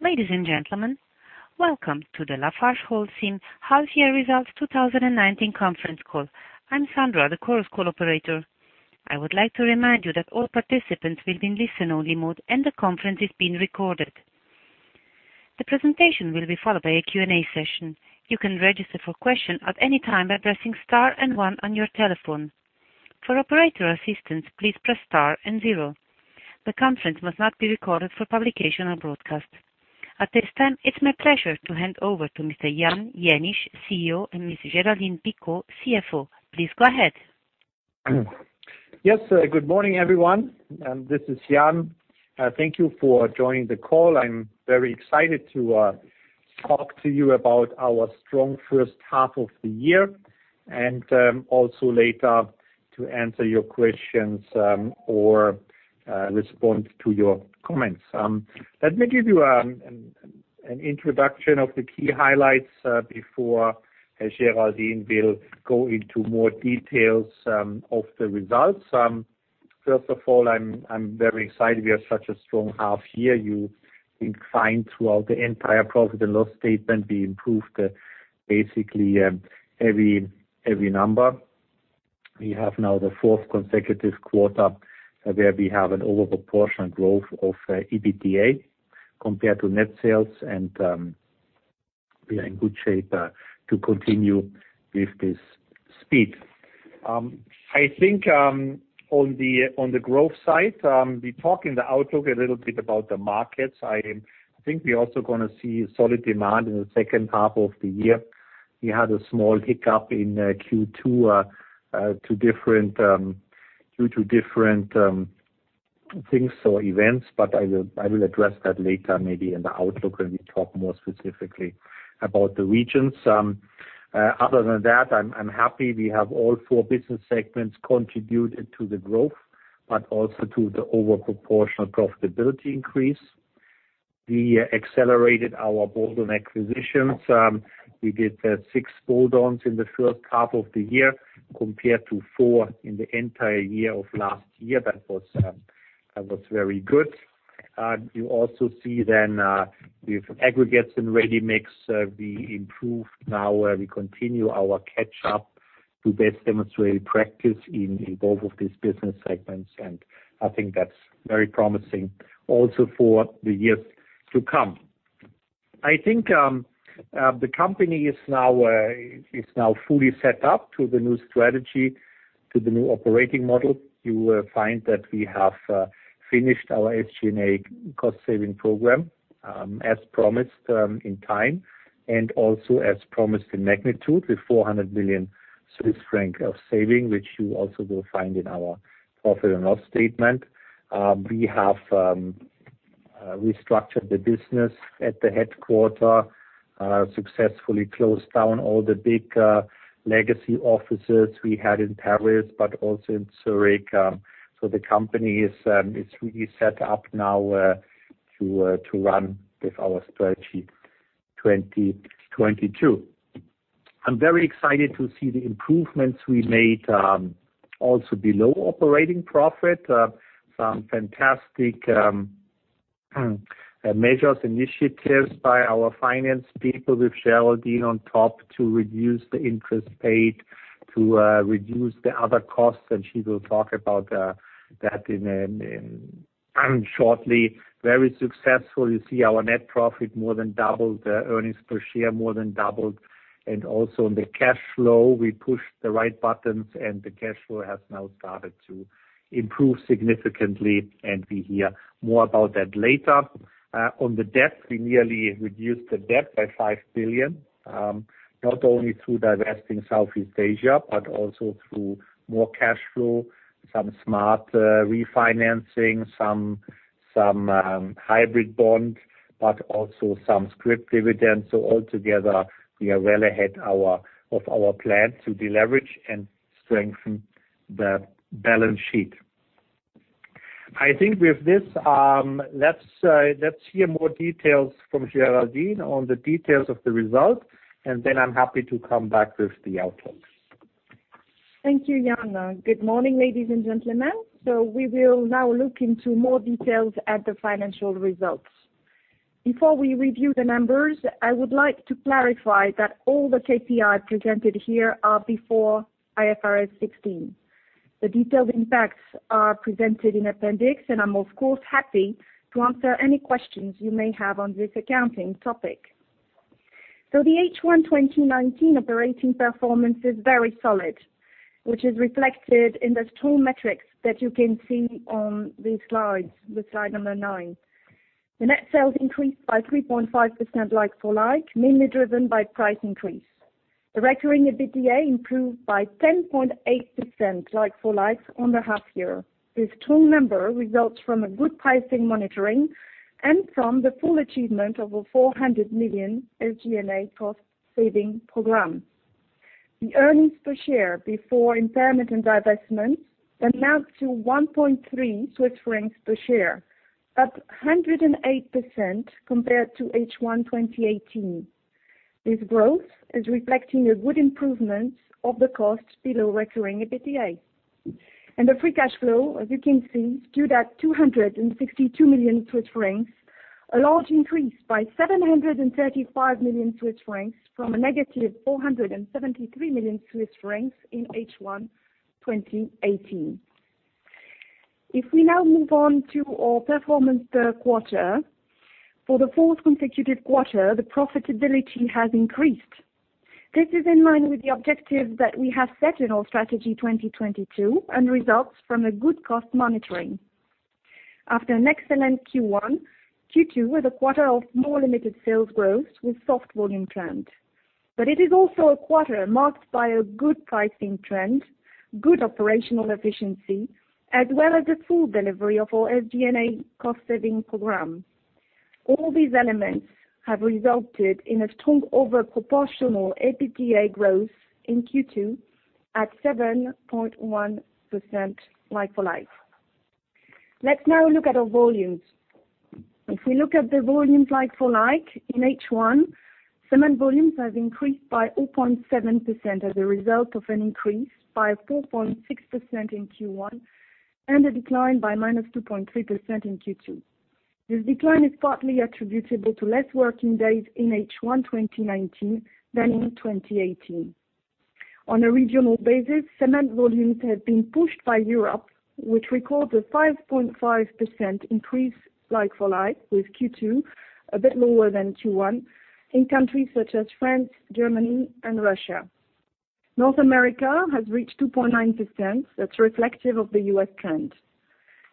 Ladies and gentlemen, welcome to the LafargeHolcim half-year Results 2019 conference call. I'm Sandra, the conference call operator. I would like to remind you that all participants will be in listen-only mode, and the conference is being recorded. The presentation will be followed by a Q&A session. You can register for question at any time by pressing star and one on your telephone. For operator assistance, please press star and zero. The conference must not be recorded for publication or broadcast. At this time, it's my pleasure to hand over to Mr. Jan Jenisch, CEO, and Ms. Géraldine Picaud, CFO. Please go ahead. Yes, good morning, everyone. This is Jan. Thank you for joining the call. I'm very excited to talk to you about our strong first half of the year, also later to answer your questions or respond to your comments. Let me give you an introduction of the key highlights before Géraldine will go into more details of the results. First of all, I'm very excited we have such a strong half year. You will find throughout the entire profit and loss statement; we improved basically every number. We have now the fourth consecutive quarter where we have an over-proportional growth of EBITDA compared to net sales, we are in good shape to continue with this speed. I think on the growth side, we talk in the outlook a little bit about the markets. I think we're also going to see solid demand in the second half of the year. We had a small hiccup in Q2 due to different things or events, but I will address that later, maybe in the outlook, when we talk more specifically about the regions. Other than that, I'm happy we have all four business segments contributed to the growth, but also to the over-proportional profitability increase. We accelerated our bolt-on acquisitions. We did six bolt-ons in the first half of the year compared to four in the entire year of last year. That was very good. You also see then with Aggregates and Ready-Mix, we improved now. We continue our catch-up to best demonstrate practice in both of these business segments, and I think that's very promising also for the years to come. I think the company is now fully set up to the new strategy, to the new operating model. You will find that we have finished our SG&A cost-saving program as promised in time, and also as promised in magnitude, with 400 million Swiss franc of saving, which you also will find in our profit and loss statement. We have restructured the business at the headquarter, successfully closed down all the big legacy offices we had in Paris, but also in Zurich. The company is really set up now to run with our Strategy 2022. I'm very excited to see the improvements we made also below operating profit. Some fantastic measures, initiatives by our finance people with Géraldine on top to reduce the interest paid, to reduce the other costs, and she will talk about that shortly. Very successful. You see our net profit more than doubled, earnings per share more than doubled, and also in the cash flow, we pushed the right buttons, and the cash flow has now started to improve significantly, and we hear more about that later. On the debt, we merely reduced the debt by 5 billion, not only through divesting Southeast Asia, but also through more cash flow, some smart refinancing, some hybrid bond, but also some scrip dividends. Altogether, we are well ahead of our plan to deleverage and strengthen the balance sheet. I think with this, let's hear more details from Géraldine on the details of the results, and then I'm happy to come back with the outlooks. Thank you, Jan. Good morning, ladies and gentlemen. We will now look into more details at the financial results. Before we review the numbers, I would like to clarify that all the KPI presented here are before IFRS 16. The detailed impacts are presented in appendix, and I'm of course, happy to answer any questions you may have on this accounting topic. The H1 2019 operating performance is very solid, which is reflected in the strong metrics that you can see on these slides, with slide number nine. The net sales increased by 3.5% like-for-like, mainly driven by price increase. The recurring EBITDA improved by 10.8% like-for-like on the half year. This strong number results from a good pricing monitoring and from the full achievement of a 400 million SG&A cost-saving program. The earnings per share before impairment and divestment amount to 1.3 Swiss francs per share, up 108% compared to H1 2018. This growth is reflecting a good improvement of the cost below recurring EBITDA. The free cash flow, as you can see, stood at 262 million Swiss francs, a large increase by 735 million Swiss francs from a -473 million Swiss francs in H1 2018. If we now move on to our performance per quarter, for the fourth consecutive quarter, the profitability has increased. This is in line with the objective that we have set in our Strategy 2022 and results from a good cost monitoring. After an excellent Q1, Q2 was a quarter of more limited sales growth with soft volume trend. It is also a quarter marked by a good pricing trend, good operational efficiency, as well as the full delivery of our SG&A cost-saving program. All these elements have resulted in a strong over-proportional EBITDA growth in Q2 at 7.1% like-for-like. Let's now look at our volumes. If we look at the volumes like-for-like in H1, Cement volumes have increased by 0.7% as a result of an increase by 4.6% in Q1 and a decline by -2.3% in Q2. This decline is partly attributable to less working days in H1 2019 than in 2018. On a regional basis, Cement volumes have been pushed by Europe, which records a 5.5% increase like-for-like, with Q2 a bit lower than Q1 in countries such as France, Germany, and Russia. North America has reached 2.9%. That's reflective of the U.S. trend.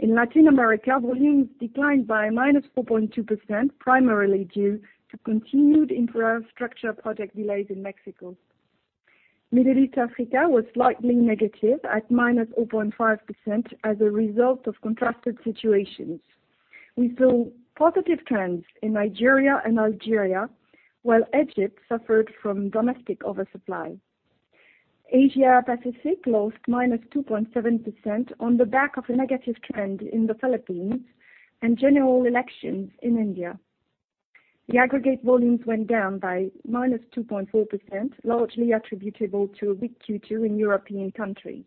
In Latin America, volumes declined by -4.2%, primarily due to continued infrastructure project delays in Mexico. Middle East, Africa was slightly negative at -0.5% as a result of contrasted situations. We saw positive trends in Nigeria and Algeria, while Egypt suffered from domestic oversupply. Asia Pacific lost -2.7% on the back of a negative trend in the Philippines and general elections in India. The Aggregates volumes went down by -2.4%, largely attributable to a weak Q2 in European countries.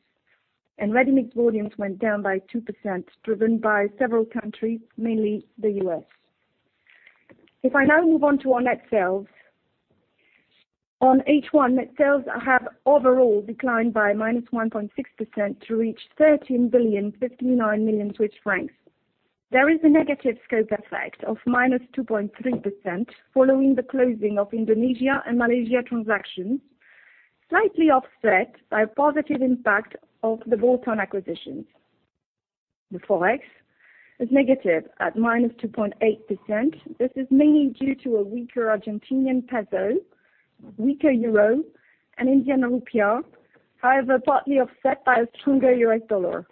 Ready-mix volumes went down by 2%, driven by several countries, mainly the U.S. If I now move on to our net sales. On H1, net sales have overall declined by -1.6% to reach 13,059,000 Swiss francs. There is a negative scope effect of -2.3% following the closing of Indonesia and Malaysia transactions, slightly offset by a positive impact of the bolt-on acquisitions. The forex is negative at -2.8%. This is mainly due to a weaker Argentinian peso, weaker euro, and Indian rupee, however, partly offset by a stronger U.S. dollar.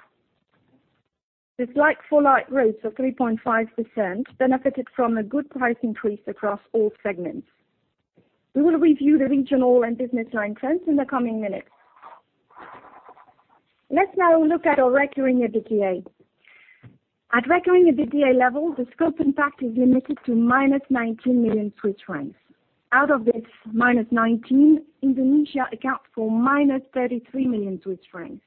This like-for-like growth of 3.5% benefited from a good price increase across all segments. We will review the regional and business line trends in the coming minutes. Let's now look at our recurring EBITDA. At recurring EBITDA level, the scope impact is limited to -19 million Swiss francs. Out of this -19 million, Indonesia accounts for -33 million Swiss francs,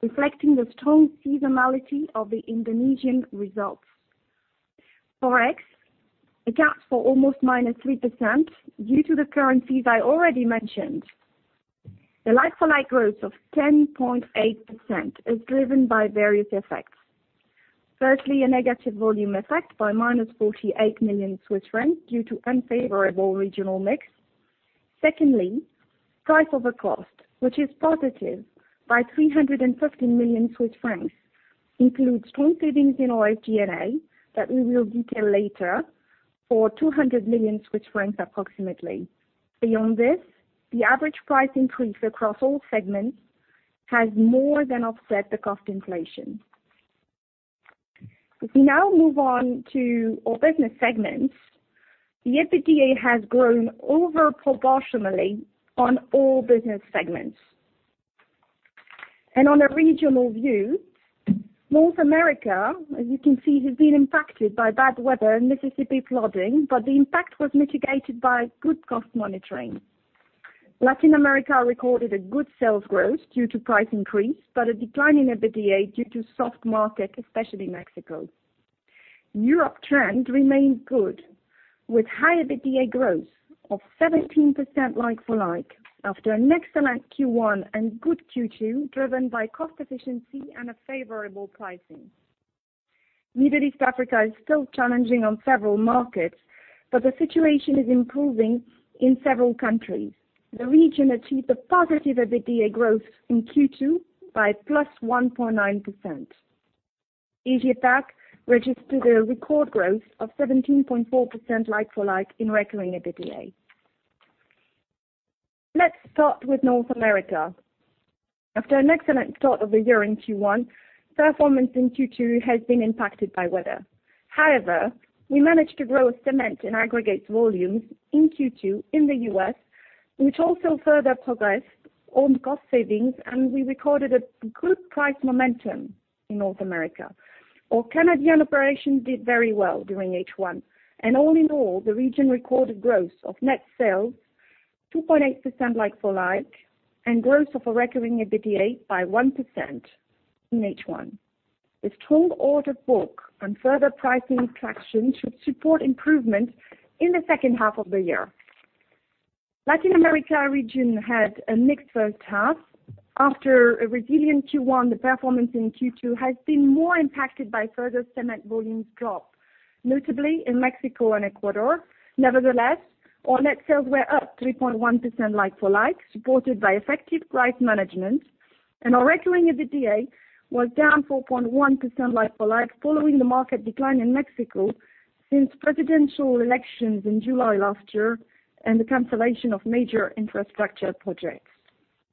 reflecting the strong seasonality of the Indonesian results. Forex accounts for almost -3% due to the currencies I already mentioned. The like-for-like growth of 10.8% is driven by various effects. Firstly, a negative volume effect by -48 million Swiss francs due to unfavorable regional mix. Secondly, price over cost, which is positive by 315 million Swiss francs, includes strong savings in our SG&A that we will detail later for 200 million Swiss francs approximately. Beyond this, the average price increase across all segments has more than offset the cost inflation. If we now move on to our business segments, the EBITDA has grown over-proportionally on all business segments. On a regional view, North America, as you can see, has been impacted by bad weather and Mississippi flooding, but the impact was mitigated by good cost monitoring. Latin America recorded a good sales growth due to price increase, but a decline in EBITDA due to soft market, especially Mexico. Europe trend remained good with high EBITDA growth of 17% like-for-like after an excellent Q1 and good Q2, driven by cost efficiency and a favorable pricing. Middle East, Africa is still challenging on several markets, but the situation is improving in several countries. The region achieved a positive EBITDA growth in Q2 by +1.9%. Asia Pac registered a record growth of 17.4% like-for-like in recurring EBITDA. Let's start with North America. After an excellent start of the year in Q1, performance in Q2 has been impacted by weather. However, we managed to grow Cement and Aggregates volumes in Q2 in the U.S. which also further progressed on cost savings, and we recorded a good price momentum in North America. Our Canadian operations did very well during H1. All in all, the region recorded growth of net sales 2.8% like-for-like, and growth of a recurring EBITDA by 1% in H1. The strong order book and further pricing traction should support improvement in the second half of the year. Latin America region had a mixed first half. After a resilient Q1, the performance in Q2 has been more impacted by further Cement volumes drop, notably in Mexico and Ecuador. Nevertheless, our net sales were up 3.1% like-for-like, supported by effective price management, and our recurring EBITDA was down 4.1% like-for-like following the market decline in Mexico since presidential elections in July last year, and the cancellation of major infrastructure projects.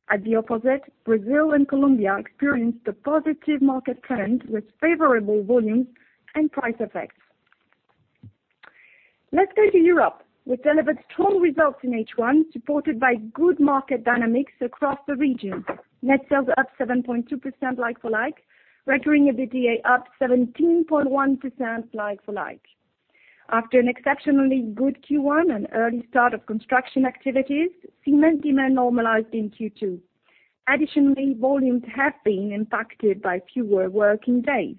At the opposite, Brazil and Colombia experienced a positive market trend with favorable volumes and price effects. Let's go to Europe, which delivered strong results in H1, supported by good market dynamics across the region. Net sales up 7.2% like-for-like, recurring EBITDA up 17.1% like-for-like. After an exceptionally good Q1 and early start of construction activities, cement demand normalized in Q2. Additionally, volumes have been impacted by fewer working days.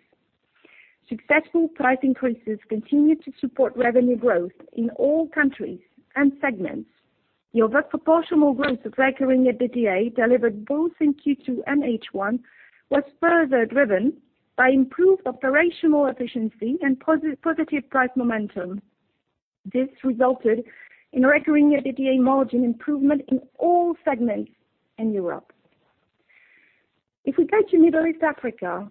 Successful price increases continued to support revenue growth in all countries and segments. The over proportional growth of recurring EBITDA delivered both in Q2 and H1 was further driven by improved operational efficiency and positive price momentum. This resulted in recurring EBITDA margin improvement in all segments in Europe. If we go to Middle East/Africa,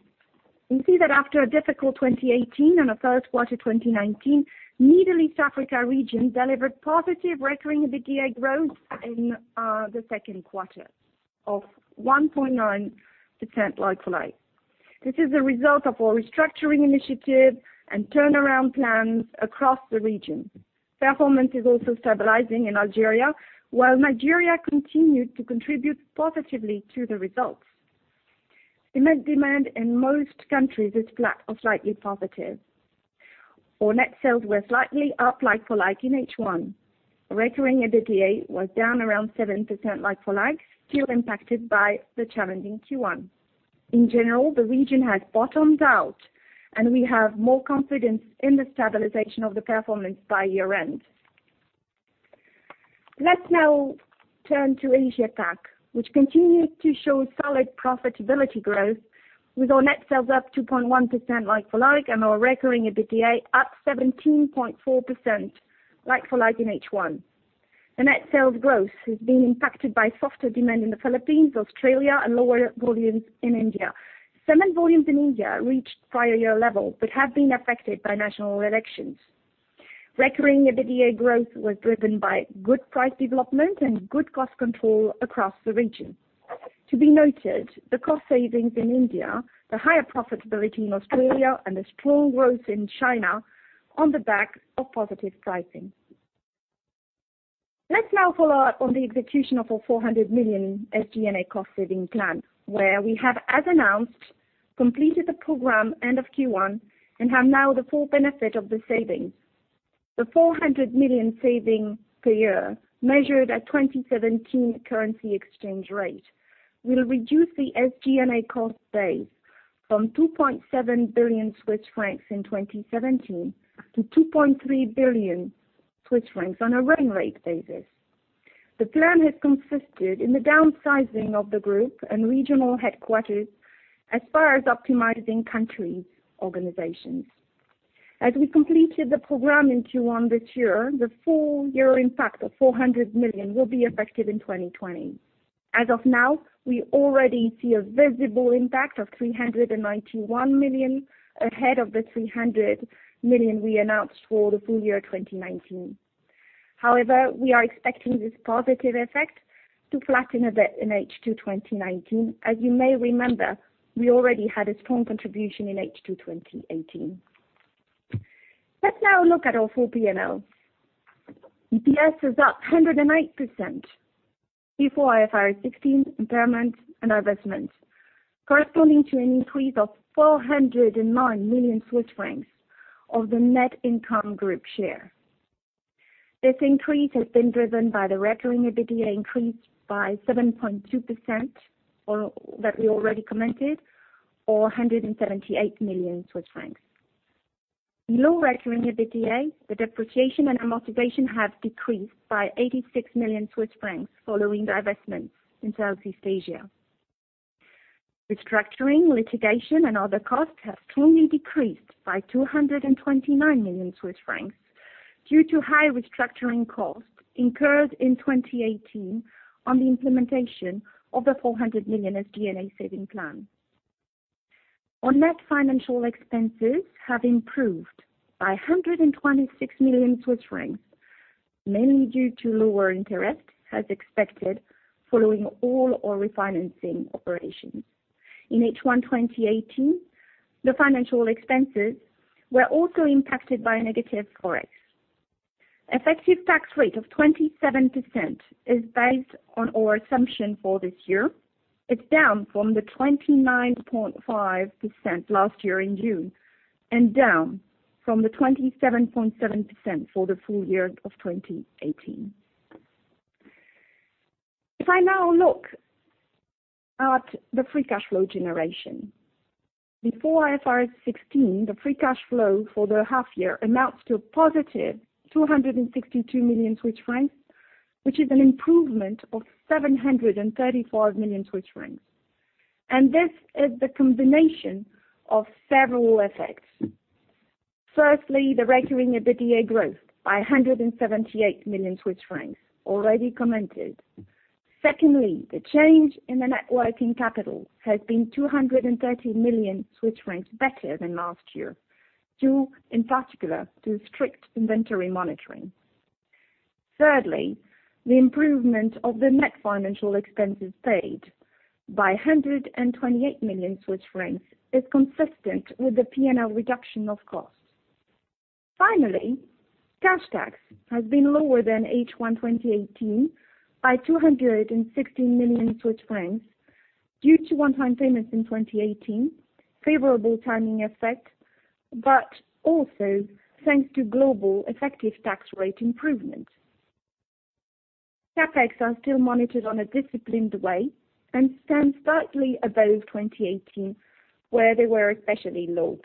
we see that after a difficult 2018 and a third quarter 2019, Middle East/Africa region delivered positive recurring EBITDA growth in the second quarter of 1.9% like-for-like. This is a result of our restructuring initiative and turnaround plans across the region. Performance is also stabilizing in Algeria, while Nigeria continued to contribute positively to the results. Cement demand in most countries is flat or slightly positive. Our net sales were slightly up like-for-like in H1. Recurring EBITDA was down around 7% like-for-like, still impacted by the challenging Q1. In general, the region has bottomed out, and we have more confidence in the stabilization of the performance by year-end. Let's now turn to Asia Pac, which continued to show solid profitability growth with our net sales up 2.1% like-for-like and our recurring EBITDA up 17.4% like-for-like in H1. The net sales growth has been impacted by softer demand in the Philippines, Australia, and lower volumes in India. Cement volumes in India reached prior year level, but have been affected by national elections. Recurring EBITDA growth was driven by good price development and good cost control across the region. To be noted, the cost savings in India, the higher profitability in Australia, and the strong growth in China on the back of positive pricing. Let's now follow up on the execution of our 400 million SG&A cost-saving plan, where we have, as announced, completed the program end of Q1 and have now the full benefit of the savings. The 400 million saving per year, measured at 2017 currency exchange rate, will reduce the SG&A cost base from 2.7 billion Swiss francs in 2017 to 2.3 billion Swiss francs on a running rate basis. The plan has consisted in the downsizing of the group and regional headquarters as far as optimizing country organizations. We completed the program in Q1 this year, the full-year impact of 400 million will be effective in 2020. As of now, we already see a visible impact of 391 million ahead of the 300 million we announced for the full year 2019. We are expecting this positive effect to flatten a bit in H2 2019. You may remember, we already had a strong contribution in H2 2018. Let's now look at our full P&L. EPS is up 108% before IFRS 16 impairment and divestment, corresponding to an increase of 409 million Swiss francs of the net income group share. This increase has been driven by the recurring EBITDA increase by 7.2% that we already commented, or 178 million Swiss francs. In non-recurring EBITDA, the depreciation and amortization have decreased by 86 million Swiss francs following divestments in Southeast Asia. Restructuring, litigation, and other costs have strongly decreased by 229 million Swiss francs due to high restructuring costs incurred in 2018 on the implementation of the 400 million SG&A saving plan. Our net financial expenses have improved by 126 million Swiss francs, mainly due to lower interest, as expected, following all our refinancing operations. In H1 2018, the financial expenses were also impacted by a negative forex. Effective tax rate of 27% is based on our assumption for this year. It's down from the 29.5% last year in June, down from the 27.7% for the full year of 2018. If I now look at the free cash flow generation. Before IFRS 16, the free cash flow for the half year amounts to a positive 262 million Swiss francs, which is an improvement of 735 million Swiss francs. This is the combination of several effects. Firstly, the recurring EBITDA growth by 178 million Swiss francs, already commented. Secondly, the change in the net working capital has been 230 million Swiss francs better than last year due, in particular, to strict inventory monitoring. Thirdly, the improvement of the net financial expenses paid by 128 million Swiss francs is consistent with the P&L reduction of costs. Finally, cash tax has been lower than H1 2018 by 216 million Swiss francs due to one-time payments in 2018, favorable timing effect, but also thanks to global effective tax rate improvement. CapEx are still monitored on a disciplined way and stand slightly above 2018, where they were especially low.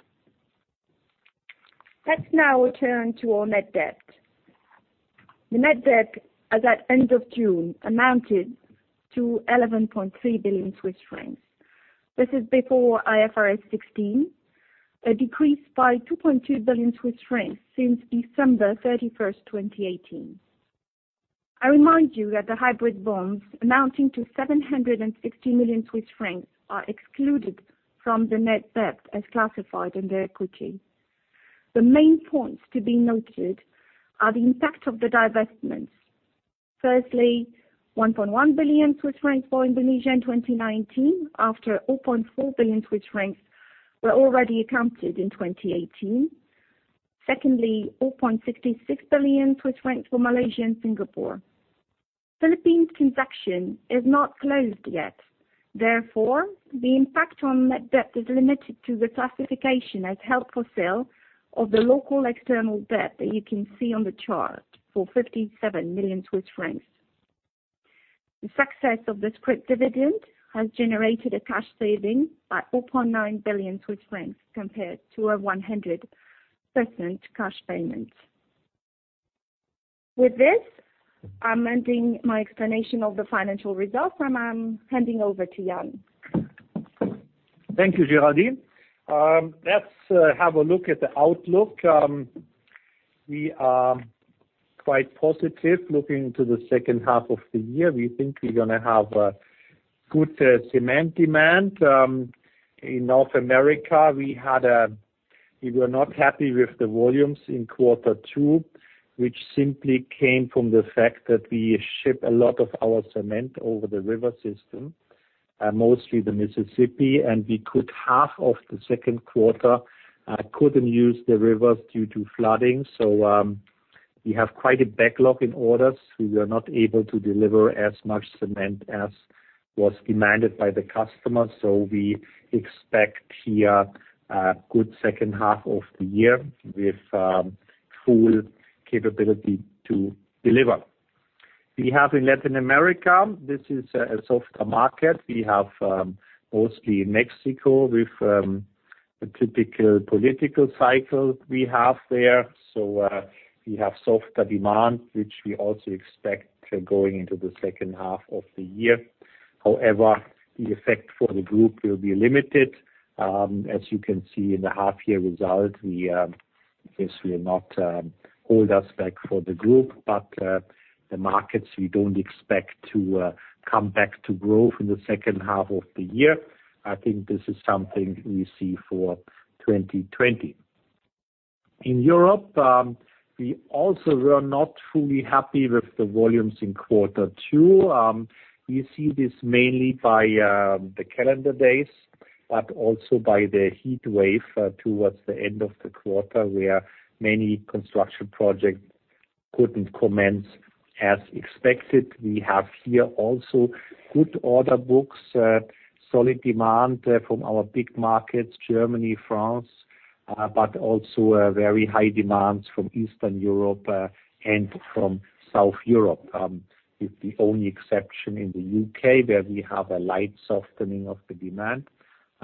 Let's now turn to our net debt. The net debt as at end of June amounted to 11.3 billion Swiss francs. This is before IFRS 16, a decrease by 2.2 billion Swiss francs since December 31, 2018. I remind you that the hybrid bonds amounting to 760 million Swiss francs are excluded from the net debt as classified in the equity. The main points to be noted are the impact of the divestments. Firstly, 1.1 billion Swiss francs for Indonesia in 2019, after 0.4 billion Swiss francs were already accounted in 2018. Secondly, 0.66 billion Swiss francs for Malaysia and Singapore. Philippines transaction is not closed yet, therefore, the impact on net debt is limited to the classification as held for sale of the local external debt that you can see on the chart, for 57 million Swiss francs. The success of the scrip dividend has generated a cash saving by 0.9 billion Swiss francs compared to a 100% cash payment. With this, I'm ending my explanation of the financial results, and I'm handing over to Jan. Thank you, Géraldine. Let's have a look at the outlook. We are quite positive looking to the second half of the year. We think we're going to have a good cement demand. In North America, we were not happy with the volumes in quarter two, which simply came from the fact that we ship a lot of our cement over the river system, mostly the Mississippi, and we could half of the second quarter, couldn't use the rivers due to flooding. We have quite a backlog in orders. We were not able to deliver as much cement as was demanded by the customers. We expect here a good second half of the year with full capability to deliver. We have in Latin America, this is a softer market. We have mostly Mexico with a typical political cycle we have there. We have softer demand, which we also expect going into the second half of the year. However, the effect for the group will be limited. As you can see in the half year result, this will not hold us back for the group, but the markets, we don't expect to come back to growth in the second half of the year. I think this is something we see for 2020. In Europe, we also were not fully happy with the volumes in quarter two. You see this mainly by the calendar days, but also by the heat wave towards the end of the quarter, where many construction projects couldn't commence as expected. We have here also good order books, solid demand from our big markets, Germany, France, but also a very high demands from Eastern Europe, and from South Europe. With the only exception in the U.K., where we have a light softening of the demand.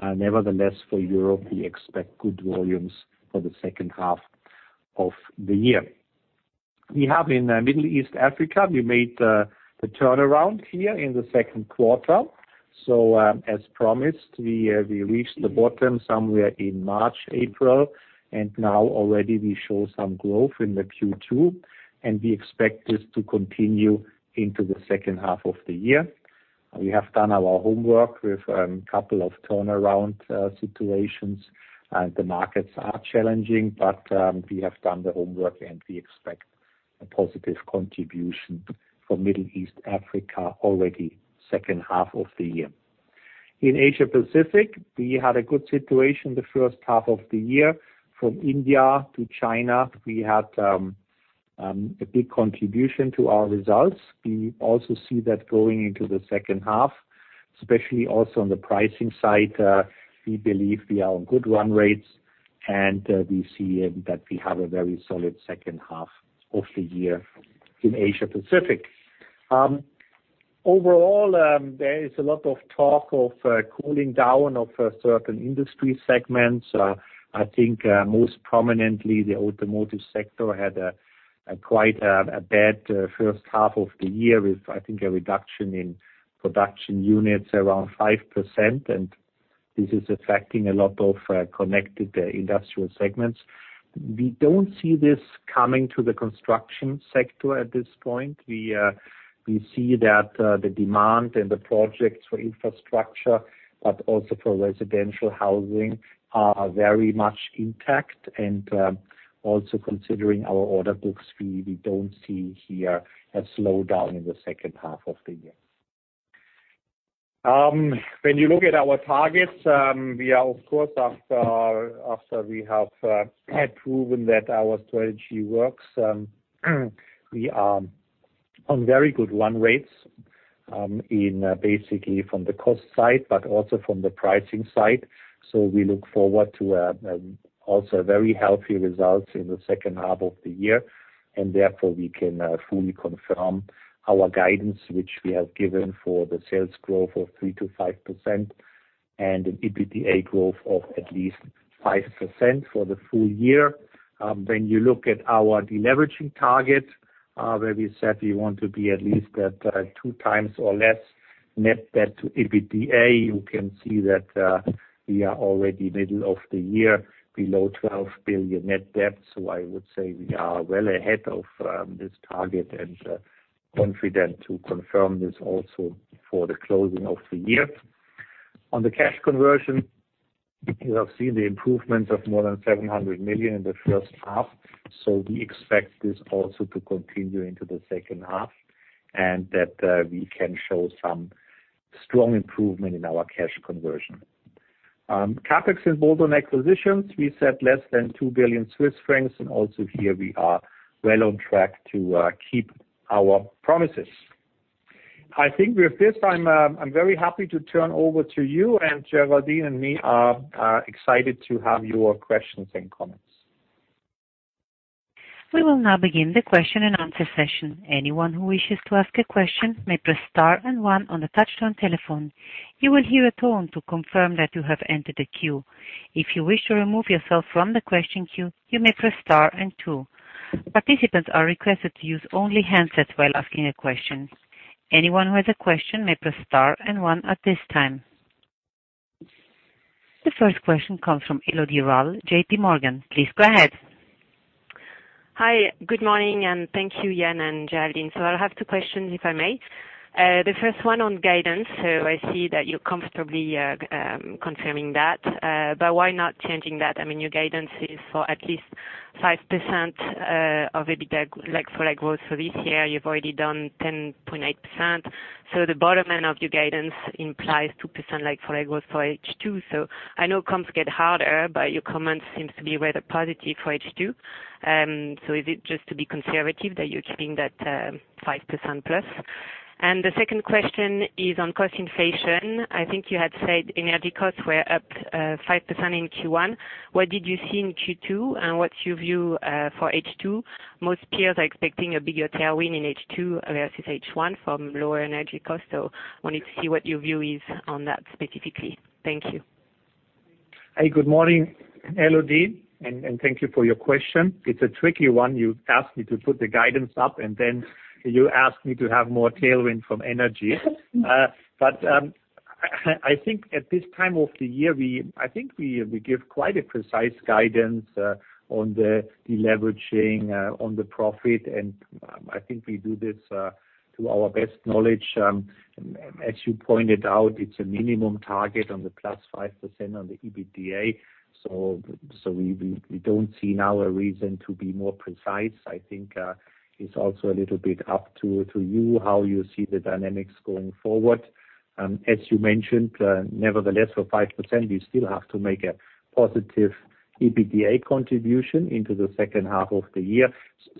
Nevertheless, for Europe, we expect good volumes for the second half of the year. We have in the Middle East, Africa, we made the turnaround here in the second quarter. As promised, we reached the bottom somewhere in March, April, and now already we show some growth in the Q2, and we expect this to continue into the second half of the year. We have done our homework with couple of turnaround situations. The markets are challenging but we have done the homework, and we expect a positive contribution from Middle East Africa already second half of the year. In Asia Pacific, we had a good situation the first half of the year. From India to China, we had a big contribution to our results. We also see that going into the second half, especially also on the pricing side. We believe we are on good run rates, and we see that we have a very solid second half of the year in Asia Pacific. Overall, there is a lot of talk of cooling down of certain industry segments. I think most prominently, the automotive sector had quite a bad first half of the year with, I think, a reduction in production units around 5%, and this is affecting a lot of connected industrial segments. We don't see this coming to the construction sector at this point. We see that the demand and the projects for infrastructure, but also for residential housing, are very much intact. Also considering our order books, we don't see here a slowdown in the second half of the year. When you look at our targets, we are, of course, after we have had proven that our strategy works, we are on very good run rates basically from the cost side, but also from the pricing side. We look forward to also very healthy results in the second half of the year. Therefore, we can fully confirm our guidance, which we have given for the sales growth of 3%-5% and an EBITDA growth of at least 5% for the full year. When you look at our deleveraging target, where we said we want to be at least at 2x or less net debt to EBITDA. You can see that we are already middle of the year below 12 billion net debt. I would say we are well ahead of this target and confident to confirm this also for the closing of the year. On the cash conversion, you have seen the improvement of more than 700 million in the first half. We expect this also to continue into the second half, and that we can show some strong improvement in our cash conversion. CapEx and bolt-on acquisitions, we set less than 2 billion Swiss francs, and also here we are well on track to keep our promises. I think with this, I am very happy to turn over to you, and Géraldine and me are excited to have your questions and comments. We will now begin the question-and-answer session. Anyone who wishes to ask a question may press star and one on the touchtone telephone. You will hear a tone to confirm that you have entered the queue. If you wish to remove yourself from the question queue, you may press star and two. Participants are requested to use only handsets while asking a question. Anyone who has a question may press star and one at this time. The first question comes from Elodie Rall, JPMorgan. Please go ahead. Hi. Good morning, thank you, Jan and Géraldine. I'll have two questions, if I may. The first one on guidance. I see that you're comfortably confirming that. Why not changing that? I mean, your guidance is for at least 5% of EBITDA like-for-like growth for this year. You've already done 10.8%. The bottom end of your guidance implies 2% like-for-like growth for H2. I know comps get harder, but your comments seems to be rather positive for H2. Is it just to be conservative that you're keeping that 5% plus? The second question is on cost inflation. I think you had said energy costs were up 5% in Q1. What did you see in Q2, and what's your view for H2? Most peers are expecting a bigger tailwind in H2 versus H1 from lower energy costs. Wanted to see what your view is on that specifically. Thank you. Hey, good morning, Elodie, and thank you for your question. It's a tricky one. You ask me to put the guidance up, and then you ask me to have more tailwind from energy. I think at this time of the year, I think we give quite a precise guidance on the deleveraging, on the profit, and I think we do this to our best knowledge. As you pointed out, it's a minimum target on the +5% on the EBITDA. We don't see now a reason to be more precise. I think it's also a little bit up to you how you see the dynamics going forward. As you mentioned, nevertheless, for 5%, we still have to make a positive EBITDA contribution into the second half of the year.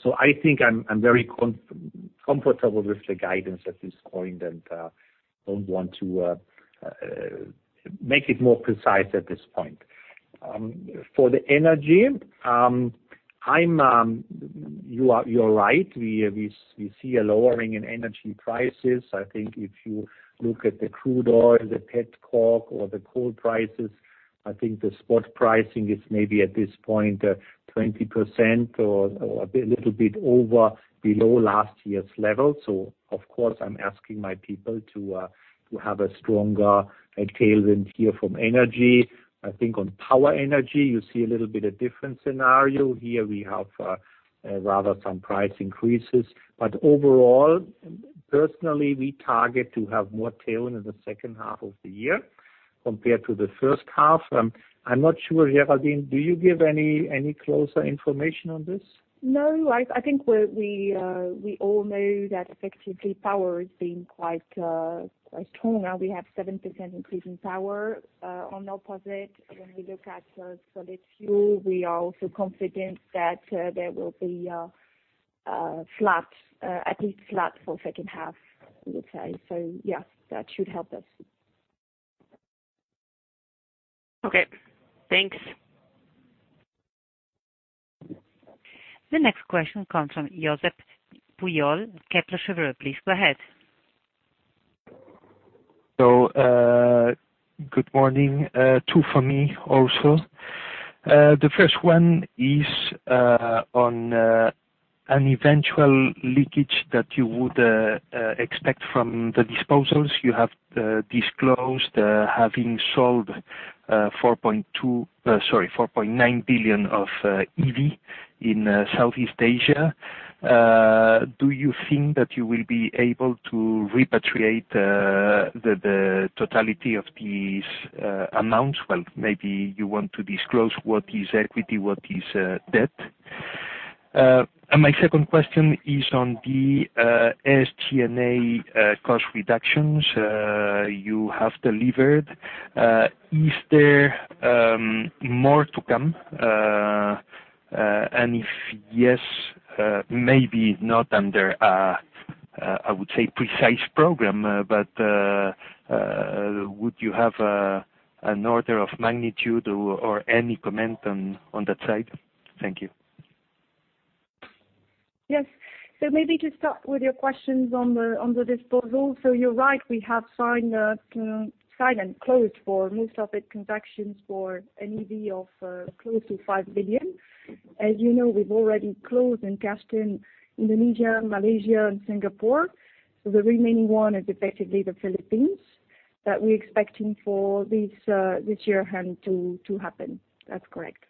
I think I'm very comfortable with the guidance at this point and don't want to make it more precise at this point. For the energy, you are right. We see a lowering in energy prices. I think if you look at the crude oil, the pet coke or the coal prices, I think the spot pricing is maybe at this point 20% or a little bit over, below last year's level. Of course, I'm asking my people to have a stronger tailwind here from energy. I think on power energy, you see a little bit a different scenario. Here we have rather some price increases. Overall, personally, we target to have more tailwind in the second half of the year compared to the first half. I'm not sure, Géraldine, do you give any closer information on this? No, I think we all know that effectively power has been quite strong. We have 7% increase in power on opposite. When we look at solid fuel, we are also confident that there will be at least flat for second half, I would say. Yes, that should help us. Okay, thanks. The next question comes from Josep Pujal, Kepler Cheuvreux. Please go ahead. Good morning. Two from me also. The first one is on an eventual leakage that you would expect from the disposals. You have disclosed having sold 4.9 billion of EV in Southeast Asia. Do you think that you will be able to repatriate the totality of these amounts? Well, maybe you want to disclose what is equity, what is debt. My second question is on the SG&A cost reductions you have delivered. Is there more to come? If yes, maybe not under, I would say, precise program, but would you have an order of magnitude or any comment on that side? Thank you. Yes. Maybe to start with your questions on the disposal. You're right, we have signed and closed for most of it, transactions for EV of close to 5 billion. As you know, we've already closed and cashed in Indonesia, Malaysia and Singapore. The remaining one is effectively the Philippines that we're expecting for this year half to happen. That's correct.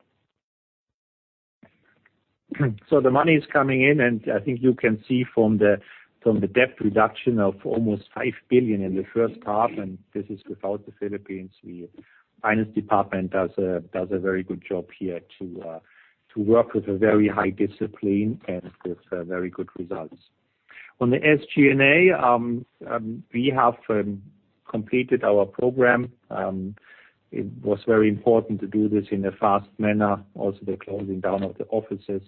The money is coming in, and I think you can see from the debt reduction of almost 5 billion in the first half, and this is without the Philippines. The finance department does a very good job here to work with a very high discipline and with very good results. The SG&A, we have completed our program. It was very important to do this in a fast manner. The closing down of the offices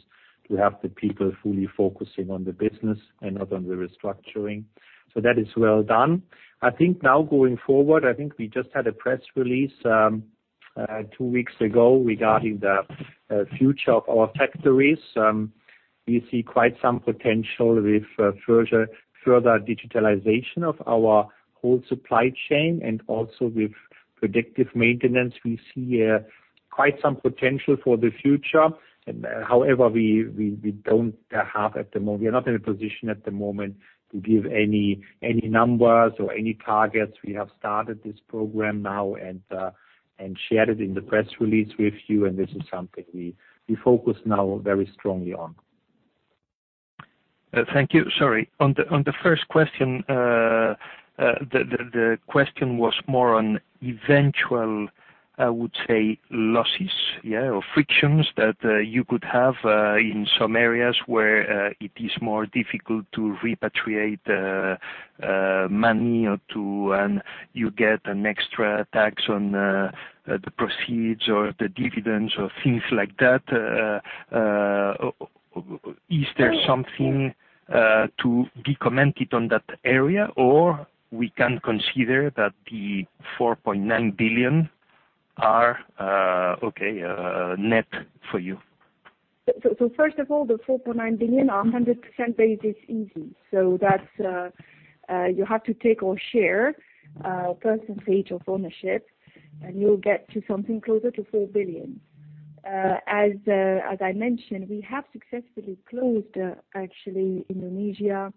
to have the people fully focusing on the business and not on the restructuring. That is well done. I think we just had a press release two weeks ago regarding the future of our factories. We see quite some potential with further digitalization of our whole supply chain and also with predictive maintenance. We see quite some potential for the future. We are not in a position at the moment to give any numbers or any targets. We have started this program now and shared it in the press release with you. This is something we focus now very strongly on. Thank you. Sorry. On the first question, the question was more on eventual, I would say, losses or frictions that you could have in some areas where it is more difficult to repatriate money or you get an extra tax on the proceeds or the dividends or things like that. Is there something to be commented on that area, or we can consider that the 4.9 billion are okay net for you? First of all, the 4.9 billion are 100% basis easy. You have to take our share percentage of ownership, and you'll get to something closer to 4 billion. As I mentioned, we have successfully closed, actually, Indonesia,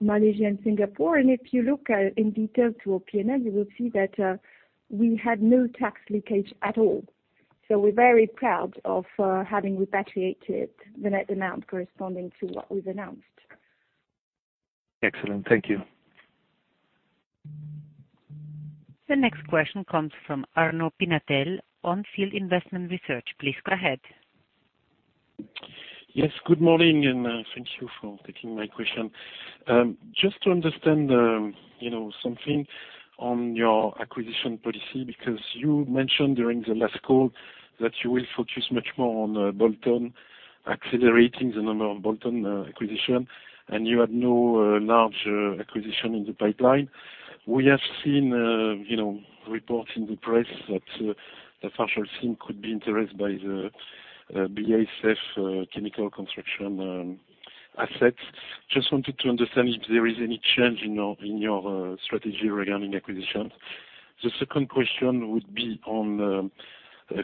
Malaysia, and Singapore. If you look in detail to our P&L, you will see that we had no tax leakage at all. We're very proud of having repatriated the net amount corresponding to what we've announced. Excellent. Thank you. The next question comes from Arnaud Pinatel, On Field Investment Research. Please go ahead. Yes, good morning. Thank you for taking my question. Just to understand something on your acquisition policy, because you mentioned during the last call that you will focus much more on bolt-on, accelerating the number of bolt-on acquisitions, and you have no large acquisitions in the pipeline. We have seen reports in the press that LafargeHolcim could be interested by the BASF chemical construction assets. Just wanted to understand if there is any change in your strategy regarding acquisitions? The second question would be on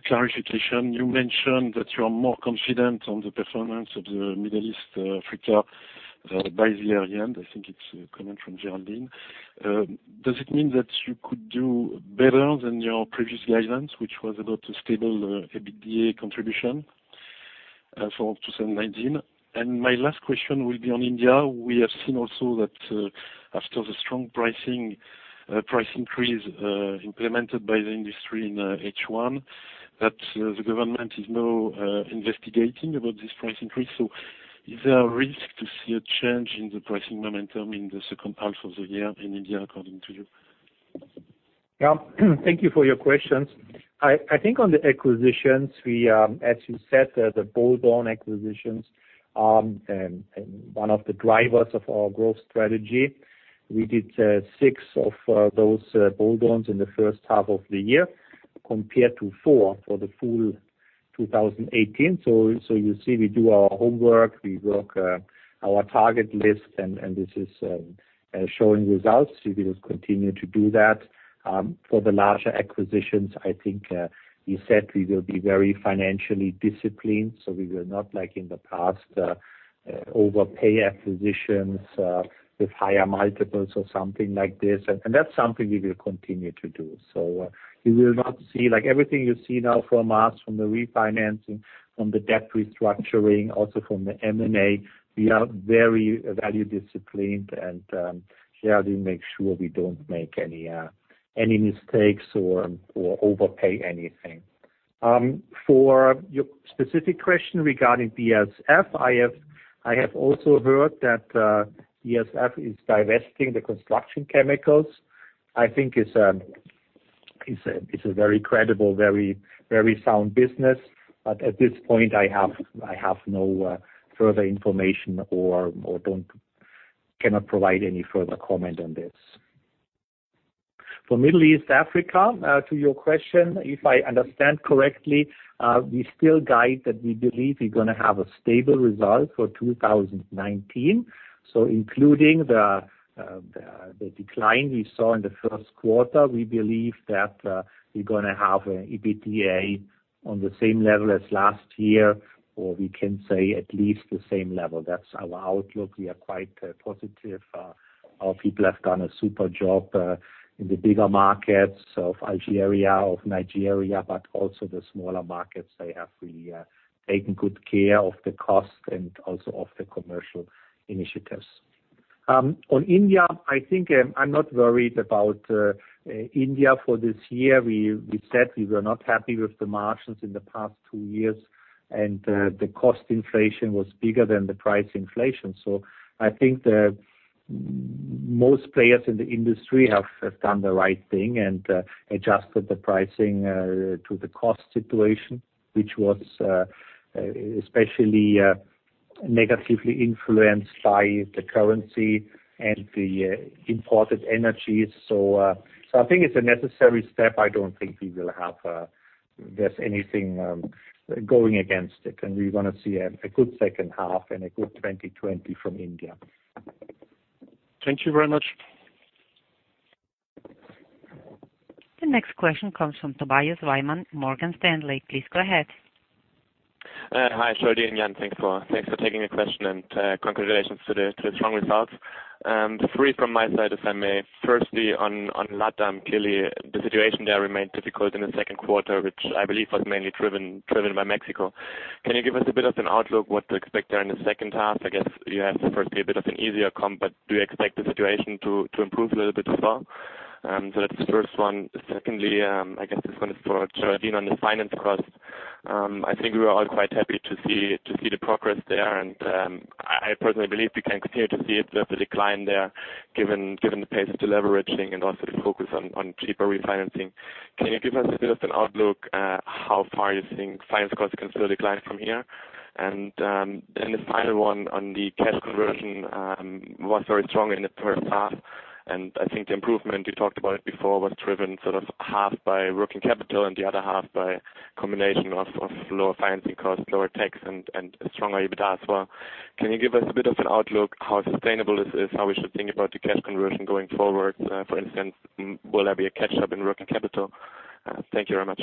clarification. You mentioned that you are more confident on the performance of the Middle East, Africa by the year-end. I think it's a comment from Géraldine. Does it mean that you could do better than your previous guidance, which was about a stable EBITDA contribution for 2019? My last question will be on India. We have seen also that after the strong price increase implemented by the industry in H1, that the government is now investigating about this price increase. Is there a risk to see a change in the pricing momentum in the second half of the year in India, according to you? Yeah. Thank you for your questions. I think on the acquisitions, as you said, the bolt-on acquisitions are one of the drivers of our growth strategy. We did six of those bolt-ons in the first half of the year, compared to four for the full 2018. You see, we do our homework, we work our target list, and this is showing results. We will continue to do that. For the larger acquisitions, I think, you said we will be very financially disciplined, so we will not, like in the past, overpay acquisitions with higher multiples or something like this, and that's something we will continue to do. Like everything you see now from us, from the refinancing, from the debt restructuring, also from the M&A, we are very value-disciplined and clearly make sure we don't make any mistakes or overpay anything. For your specific question regarding BASF, I have also heard that BASF is divesting the construction chemicals. I think it's a very credible, very sound business. At this point, I have no further information or cannot provide any further comment on this. For Middle East, Africa, to your question, if I understand correctly, we still guide that we believe we're going to have a stable result for 2019. Including the decline we saw in the first quarter, we believe that we're going to have an EBITDA on the same level as last year, or we can say at least the same level. That's our outlook. We are quite positive. Our people have done a super job in the bigger markets of Algeria, of Nigeria, but also the smaller markets. They have really taken good care of the cost and also of the commercial initiatives. On India, I think I'm not worried about India for this year. We said we were not happy with the margins in the past two years. The cost inflation was bigger than the price inflation. I think that most players in the industry have done the right thing and adjusted the pricing to the cost situation, which was especially negatively influenced by the currency and the imported energy. I think it's a necessary step. I don't think there's anything going against it. We're going to see a good second half and a good 2020 from India. Thank you very much. The next question comes from Tobias Weimann, Morgan Stanley. Please go ahead. Hi, Géraldine and Jan, thanks for taking the question and congratulations to the strong results. Three from my side, if I may. Firstly, on LATAM, clearly the situation there remained difficult in the second quarter, which I believe was mainly driven by Mexico. Can you give us a bit of an outlook, what to expect there in the second half? I guess you have firstly a bit of an easier comp, do you expect the situation to improve a little bit as well? That's the first one. Secondly, I guess this one is for Géraldine on the finance cost. I think we were all quite happy to see the progress there and I personally believe we can continue to see it with the decline there, given the pace of deleveraging and also the focus on cheaper refinancing. Can you give us a bit of an outlook, how far you think finance costs can still decline from here? The final one on the cash conversion was very strong in the first half, and I think the improvement, you talked about it before, was driven sort of half by working capital and the other half by a combination of lower financing costs, lower tax, and stronger EBITDA as well. Can you give us a bit of an outlook how sustainable this is, how we should think about the cash conversion going forward? For instance, will there be a catch-up in working capital? Thank you very much.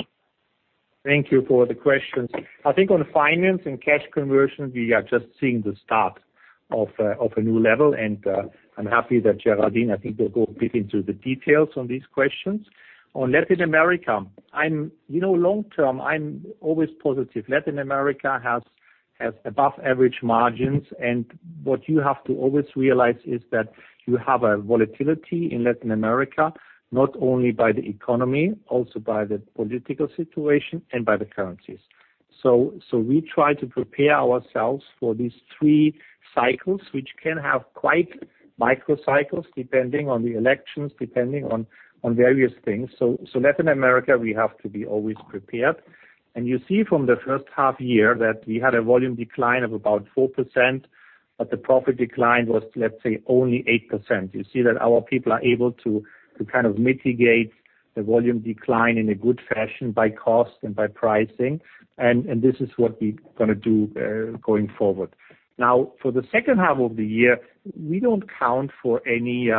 Thank you for the questions. I think on finance and cash conversion, we are just seeing the start of a new level and I'm happy that Géraldine, I think, will go a bit into the details on these questions. On Latin America, long term, I'm always positive. Latin America has above-average margins. What you have to always realize is that you have a volatility in Latin America, not only by the economy, also by the political situation and by the currencies. We try to prepare ourselves for these three cycles, which can have quite micro cycles, depending on the elections, depending on various things. Latin America, we have to be always prepared. You see from the first half year that we had a volume decline of about 4%, but the profit decline was, let's say, only 8%. You see that our people are able to kind of mitigate the volume decline in a good fashion by cost and by pricing. This is what we're going to do going forward. For the second half of the year, we don't count for any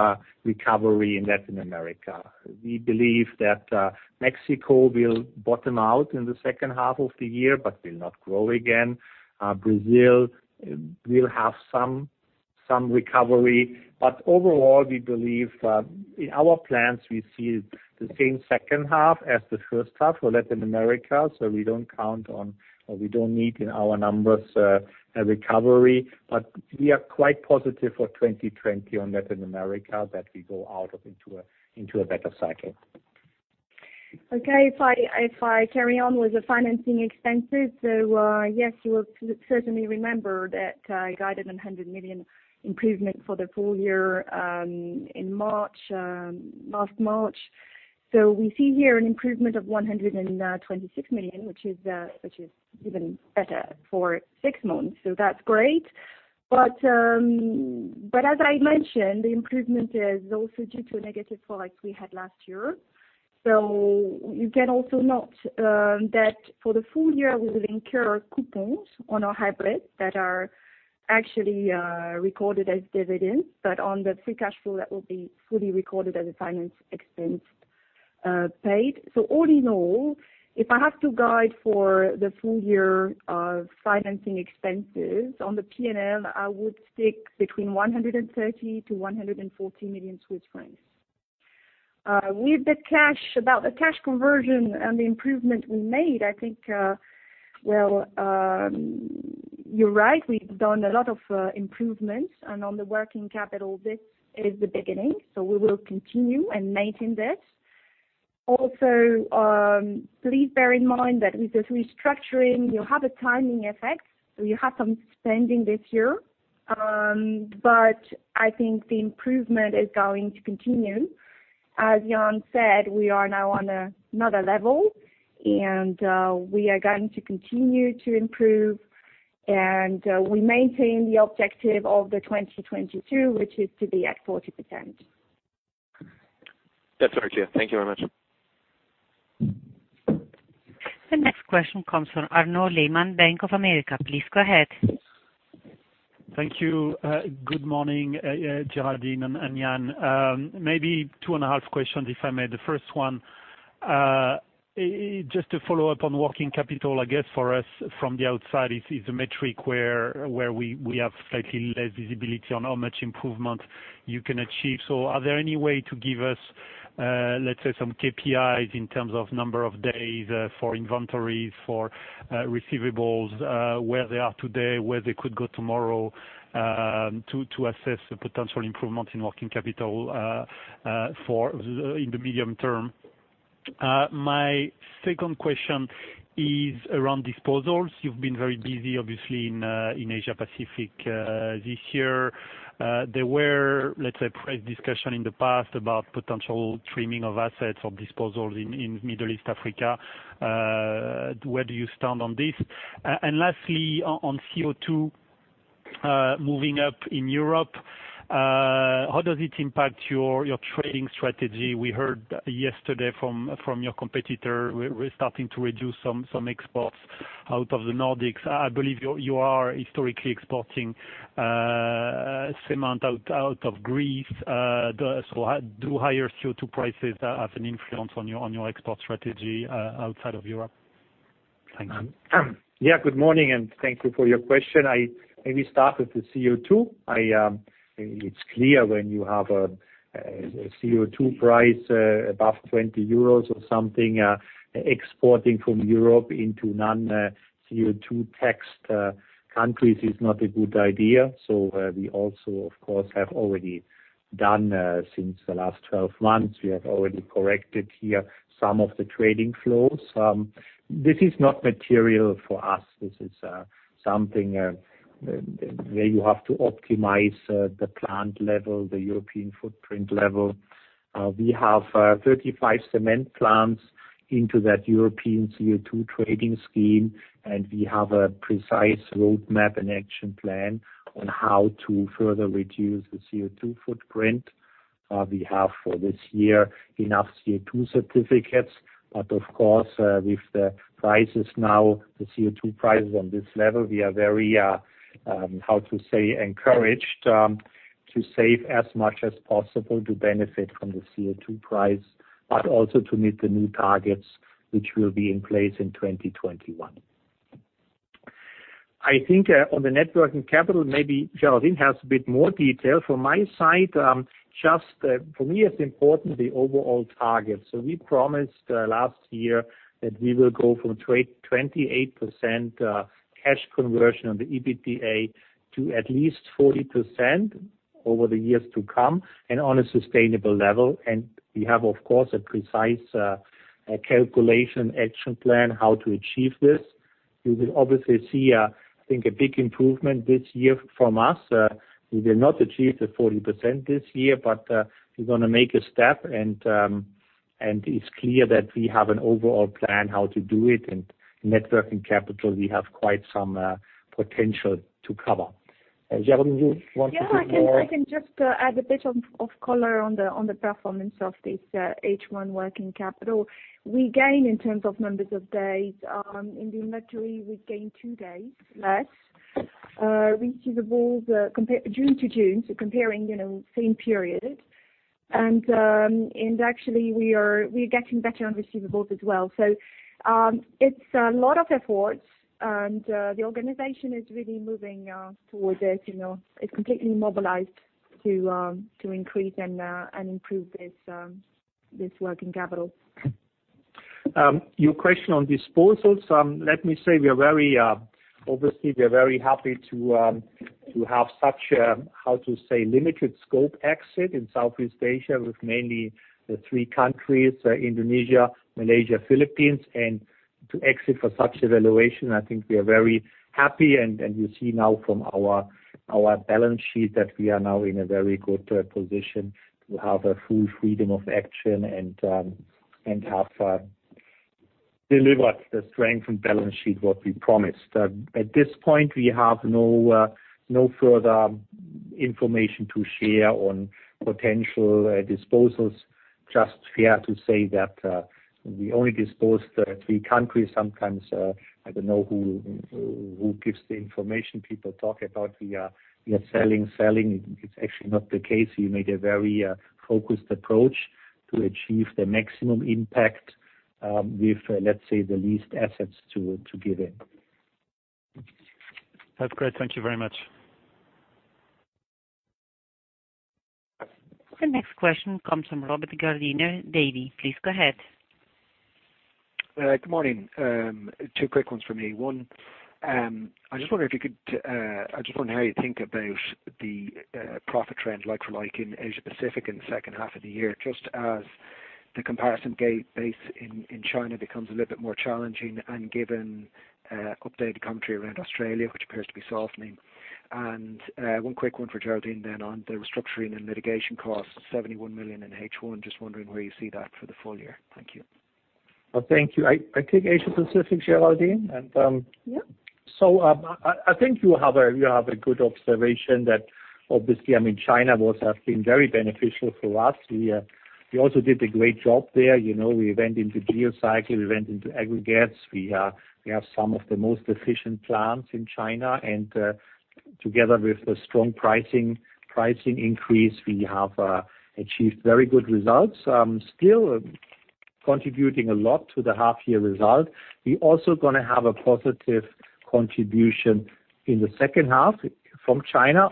recovery in Latin America. We believe that Mexico will bottom out in the second half of the year, but will not grow again. Brazil will have some recovery. Overall, we believe in our plans, we see the same second half as the first half for Latin America. We don't count on, or we don't need in our numbers, a recovery. We are quite positive for 2020 on Latin America that we go out into a better cycle. If I carry on with the financing expenses. Yes, you will certainly remember that I guided on 100 million improvement for the full year in March, last March. We see here an improvement of 126 million, which is even better for six months. That's great. As I mentioned, the improvement is also due to a negative effect we had last year. You can also note that for the full year, we will incur coupons on our hybrids that are actually recorded as dividends, but on the free cash flow, that will be fully recorded as a finance expense paid. All in all, if I have to guide for the full year of financing expenses on the P&L, I would stick between 130 million-140 million Swiss francs. With the cash, about the cash conversion and the improvement we made, I think you're right, we've done a lot of improvements. On the working capital, this is the beginning. We will continue and maintain this. Please bear in mind that with this restructuring, you have a timing effect. You have some spending this year, but I think the improvement is going to continue. As Jan said, we are now on another level, and we are going to continue to improve, we maintain the objective of the 2022, which is to be at 40%. That's very clear. Thank you very much. The next question comes from Arnaud Lehmann, Bank of America. Please go ahead. Thank you. Good morning, Géraldine and Jan. Maybe two and a half questions, if I may. The first one, just to follow up on working capital, I guess for us from the outside is a metric where we have slightly less visibility on how much improvement you can achieve. Are there any way to give us, let's say, some KPIs in terms of number of days for inventories, for receivables, where they are today, where they could go tomorrow, to assess the potential improvement in working capital in the medium term? My second question is around disposals. You've been very busy, obviously, in Asia Pacific this year. There were, let's say, price discussion in the past about potential trimming of assets or disposals in Middle East Africa. Where do you stand on this? Lastly, on CO₂ moving up in Europe, how does it impact your trading strategy? We heard yesterday from your competitor, we're starting to reduce some exports out of the Nordics. I believe you are historically exporting cement out of Greece. Do higher CO₂ prices have an influence on your export strategy outside of Europe? Thank you. Good morning, thank you for your question. I maybe start with the CO₂. It's clear when you have a CO₂ price above 20 euros or something, exporting from Europe into non-CO₂ taxed countries is not a good idea. We also, of course, have already done, since the last 12 months, we have already corrected here some of the trading flows. This is not material for us. This is something where you have to optimize the plant level, the European footprint level. We have 35 cement plants into that European CO₂ trading scheme, we have a precise roadmap and action plan on how to further reduce the CO₂ footprint. We have for this year enough CO₂ certificates, of course, with the prices now, the CO₂ price on this level, we are very, how to say, encouraged to save as much as possible to benefit from the CO₂ price, but also to meet the new targets, which will be in place in 2021. I think on the net working capital, maybe Géraldine has a bit more detail. From my side, just for me, it's important the overall target. We promised last year that we will go from 28% cash conversion on the EBITDA to at least 40% over the years to come and on a sustainable level. We have, of course, a precise calculation action plan how to achieve this. You will obviously see, I think, a big improvement this year from us. We will not achieve the 40% this year, but we're going to make a step, and it's clear that we have an overall plan how to do it. Net working capital, we have quite some potential to cover. Géraldine, you want to say more? Yeah, I can just add a bit of color on the performance of this H1 working capital. We gain in terms of numbers of days. In the inventory, we gain two days less. Receivables June to June, so comparing same period. Actually, we are getting better on receivables as well. It's a lot of efforts, and the organization is really moving towards it. It's completely mobilized to increase and improve its working capital. Your question on disposals, let me say, obviously, we are very happy to have such a, how to say, limited scope exit in Southeast Asia with mainly the three countries, Indonesia, Malaysia, Philippines. To exit for such a valuation, I think we are very happy, and you see now from our balance sheet that we are now in a very good position to have a full freedom of action and have delivered the strength and balance sheet, what we promised. At this point, we have no further information to share on potential disposals. Just fair to say that we only disposed three countries. Sometimes, I don't know who gives the information. People talk about we are selling. It's actually not the case. We made a very focused approach to achieve the maximum impact with, let's say, the least assets to give in. That's great. Thank you very much. The next question comes from Robert Gardiner, Davy. Please go ahead. Good morning. Two quick ones from me. One, I just wonder how you think about the profit trend like-for-like in Asia Pacific in the second half of the year, just as the comparison base in China becomes a little bit more challenging and given updated commentary around Australia, which appears to be softening. One quick one for Géraldine then on the restructuring and litigation costs, 71 million in H1. Just wondering where you see that for the full year. Thank you. Well, thank you. I take Asia Pacific, Géraldine. Yeah. I think you have a good observation that obviously, China has been very beneficial for us. We also did a great job there. We went into Geocycle, we went into Aggregates. We have some of the most efficient plants in China. Together with a strong pricing increase, we have achieved very good results, still contributing a lot to the half year result. We also going to have a positive contribution in the second half from China.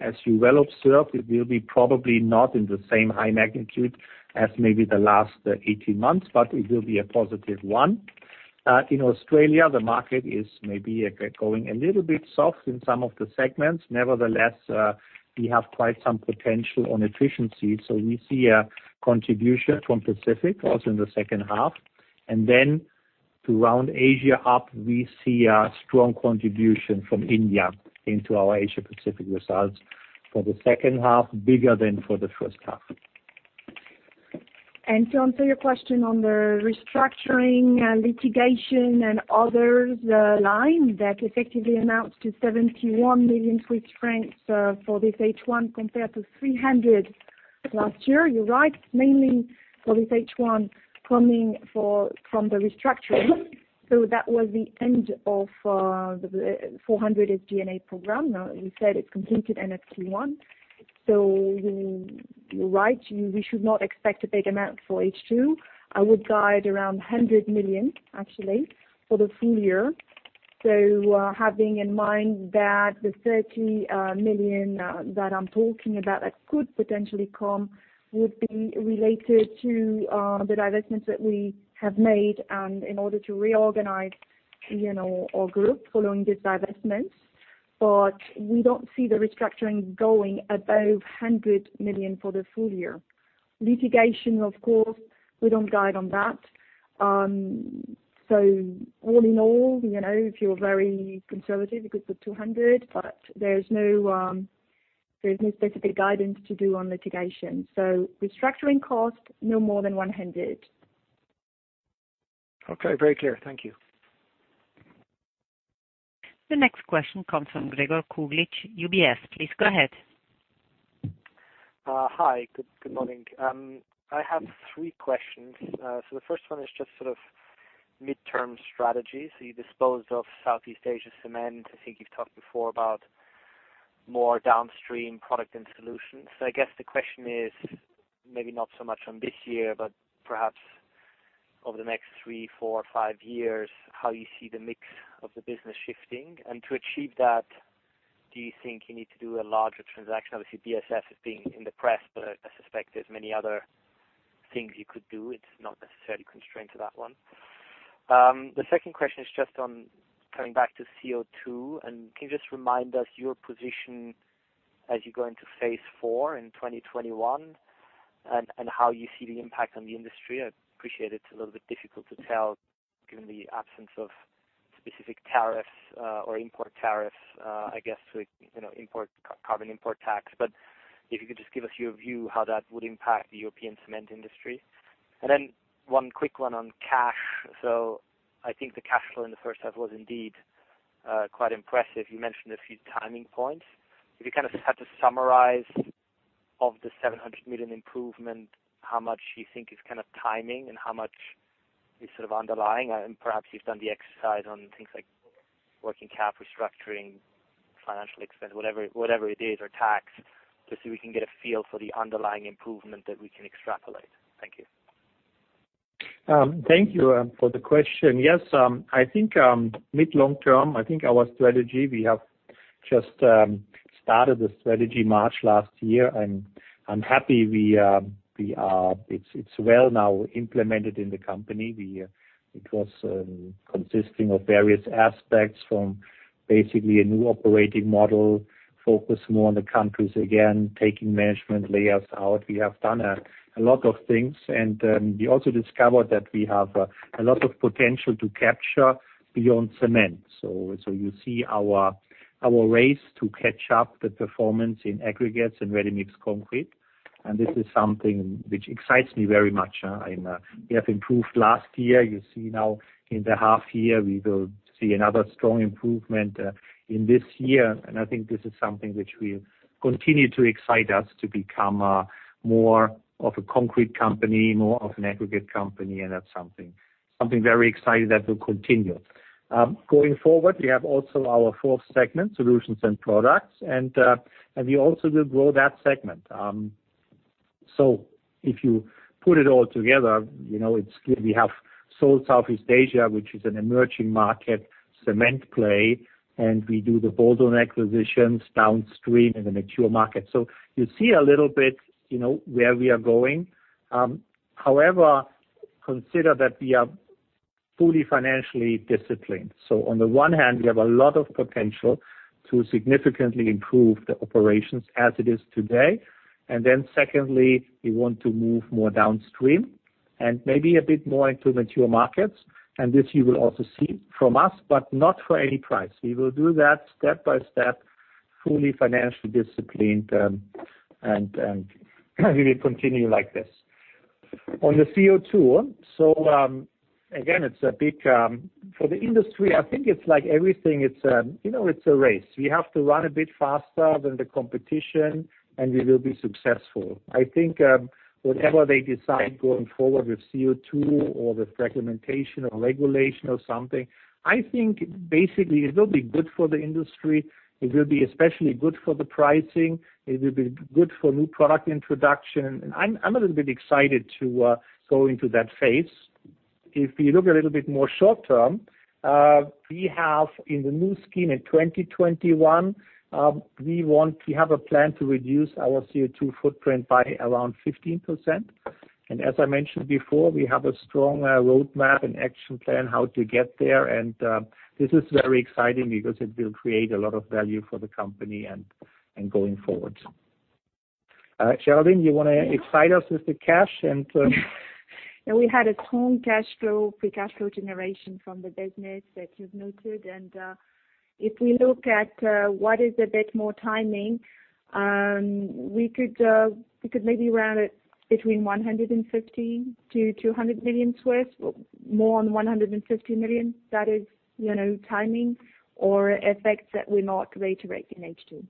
As you well observed, it will be probably not in the same high magnitude as maybe the last 18 months, but it will be a positive one. In Australia, the market is maybe going a little bit soft in some of the segments. Nevertheless, we have quite some potential on efficiency, so we see a contribution from Pacific also in the second half. To round Asia up, we see a strong contribution from India into our Asia Pacific results for the second half, bigger than for the first half. Jan, for your question on the restructuring and litigation and others line that effectively amounts to 71 million Swiss francs for this H1 compared to 300 million last year. You're right, mainly for this H1 coming from the restructuring. That was the end of the 400 million SG&A program. Now, as we said, it's completed in Q1. You're right, we should not expect a big amount for H2. I would guide around 100 million actually for the full year. Having in mind that the 30 million that I'm talking about that could potentially come would be related to the divestments that we have made and in order to reorganize our group following this divestment. We don't see the restructuring going above 100 million for the full year. Litigation, of course, we don't guide on that. All in all, if you're very conservative, you could put 200 million, but there's no specific guidance to do on litigation. Restructuring cost, no more than 100 million. Okay. Very clear. Thank you. The next question comes from Gregor Kuglitsch, UBS. Please go ahead. Hi. Good morning. I have three questions. The first one is just sort of midterm strategy. You disposed of Southeast Asia Cement. I think you've talked before about more downstream product and solutions. I guess the question is, maybe not so much on this year, but perhaps over the next three, four, five years, how you see the mix of the business shifting. To achieve that, do you think you need to do a larger transaction? Obviously, BASF is being in the press, but I suspect there's many other things you could do. It's not necessarily constrained to that one. The second question is just on coming back to CO₂, and can you just remind us your position as you go into phase four in 2021 and how you see the impact on the industry? I appreciate it's a little bit difficult to tell given the absence of specific tariffs or import tariffs, I guess with carbon import tax. If you could just give us your view how that would impact the European cement industry. Then one quick one on cash. I think the cash flow in the first half was indeed quite impressive. You mentioned a few timing points. If you kind of had to summarize, of the 700 million improvement, how much you think is kind of timing and how much is sort of underlying, perhaps you've done the exercise on things like working capital restructuring, financial expense, whatever it is, or tax, to see if we can get a feel for the underlying improvement that we can extrapolate. Thank you. Thank you for the question. Yes, I think mid, long term, I think our Strategy, we have just started the Strategy March last year, and I'm happy it's well now implemented in the company. It was consisting of various aspects from basically a new operating model, focus more on the countries, again, taking management layers out. We have done a lot of things, and we also discovered that we have a lot of potential to capture beyond Cement. You see our race to catch up the performance in Aggregates and Ready-Mix Concrete, and this is something which excites me very much. We have improved last year. You see now in the half year, we will see another strong improvement in this year, and I think this is something which will continue to excite us to become more of a concrete company, more of an aggregate company, and that's something very exciting that will continue. Going forward, we have also our fourth segment, Solutions and Products, and we also will grow that segment. If you put it all together, we have Seoul, Southeast Asia, which is an emerging market, cement play, and we do the bolt-on acquisitions downstream in the mature market. You see a little bit where we are going. However, consider that we are fully financially disciplined. On the one hand, we have a lot of potential to significantly improve the operations as it is today. Secondly, we want to move more downstream and maybe a bit more into mature markets, this you will also see from us, but not for any price. We will do that step by step, fully financially disciplined, and we will continue like this. On the CO₂, for the industry, I think it's like everything. It's a race. We have to run a bit faster than the competition, and we will be successful. Whatever they decide going forward with CO₂ or with fragmentation or regulation or something, basically it will be good for the industry. It will be especially good for the pricing. It will be good for new product introduction. I'm a little bit excited to go into that phase. If you look a little bit more short term, we have in the new scheme in 2021, we have a plan to reduce our CO₂ footprint by around 15%. As I mentioned before, we have a strong roadmap and action plan how to get there. This is very exciting because it will create a lot of value for the company and going forward. Géraldine, you want to excite us with the cash? Yeah. We had a strong cash flow, free cash flow generation from the business that you've noted. If we look at what is a bit more timing, we could maybe round it between 150 million-200 million, more on 150 million. That is timing or effects that we not reiterate in H2,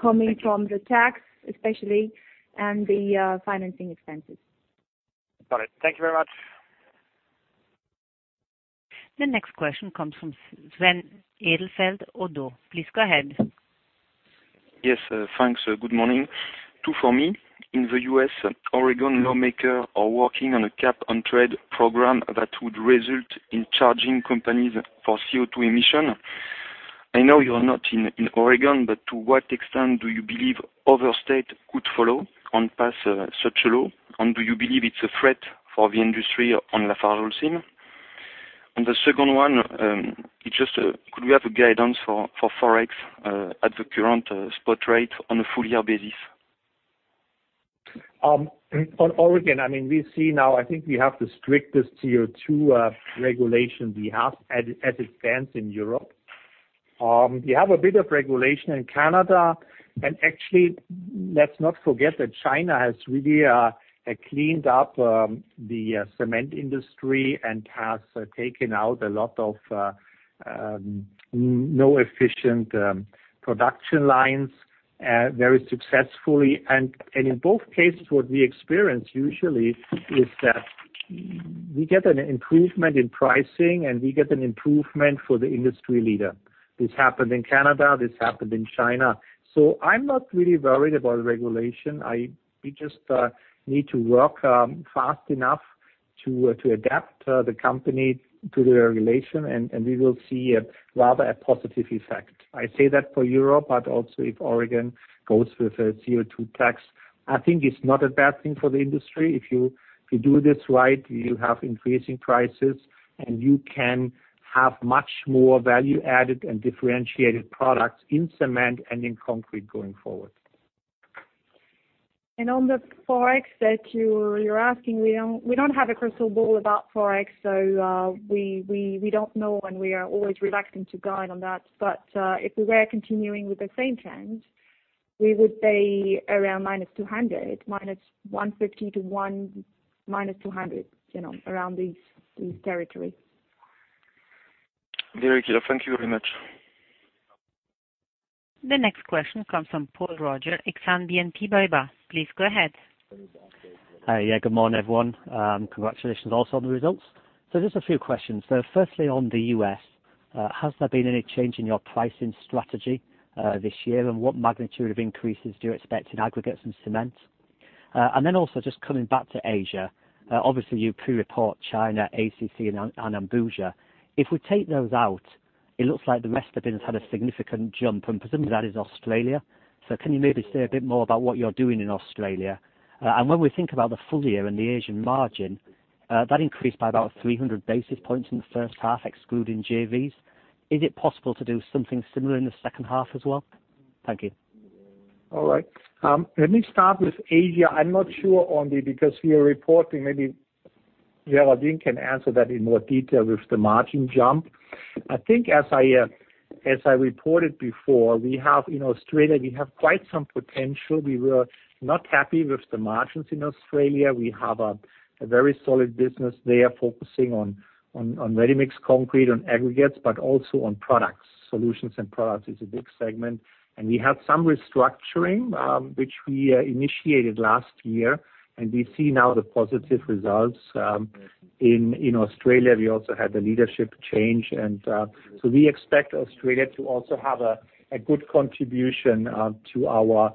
coming from the tax, especially and the financing expenses. Got it. Thank you very much. The next question comes from Sven Edelfelt, ODDO. Please go ahead. Yes, thanks. Good morning. Two for me. In the U.S., Oregon lawmaker are working on a cap-and-trade program that would result in charging companies for CO₂ emission. I know you are not in Oregon, but to what extent do you believe other state could follow and pass such a law? Do you believe it's a threat for the industry on LafargeHolcim? The second one, could we have a guidance for forex at the current spot rate on a full year basis? On Oregon, I think we have the strictest CO₂ regulation we have as it stands in Europe. Actually, let's not forget that China has really cleaned up the cement industry and has taken out a lot of no efficient production lines very successfully. In both cases, what we experience usually is that we get an improvement in pricing, and we get an improvement for the industry leader. This happened in Canada. This happened in China. I'm not really worried about regulation. We just need to work fast enough to adapt the company to the regulation, and we will see a rather a positive effect. I say that for Europe, but also if Oregon goes with a CO₂ tax, I think it's not a bad thing for the industry. If you do this right, you have increasing prices, and you can have much more value-added and differentiated products in Cement and in Concrete going forward. On the forex that you're asking, we don't have a crystal ball about forex, so we don't know, and we are always reluctant to guide on that. If we were continuing with the same trend, we would say around -200 million. -150 million to -200 million, around these territories. Very clear. Thank you very much. The next question comes from Paul Roger, Exane BNP Paribas. Please go ahead. Hi. Good morning, everyone. Congratulations also on the results. Just a few questions. Firstly, on the U.S., has there been any change in your pricing strategy this year, and what magnitude of increases do you expect in Aggregates and Cement? Also just coming back to Asia, obviously you pre-report China, ACC, and Ambuja. If we take those out, it looks like the rest of it has had a significant jump, and presumably that is Australia. Can you maybe say a bit more about what you're doing in Australia? When we think about the full year and the Asian margin, that increased by about 300 basis points in the first half, excluding JVs. Is it possible to do something similar in the second half as well? Thank you. All right. Let me start with Asia. I'm not sure only because we are reporting, maybe Géraldine can answer that in more detail with the margin jump. I think as I reported before, we have Australia, we have quite some potential. We were not happy with the margins in Australia. We have a very solid business there focusing on Ready-Mix Concrete, on Aggregates, but also on products. Solutions and Products is a big segment. We had some restructuring, which we initiated last year, and we see now the positive results. In Australia, we also had the leadership change. So, we expect Australia to also have a good contribution to our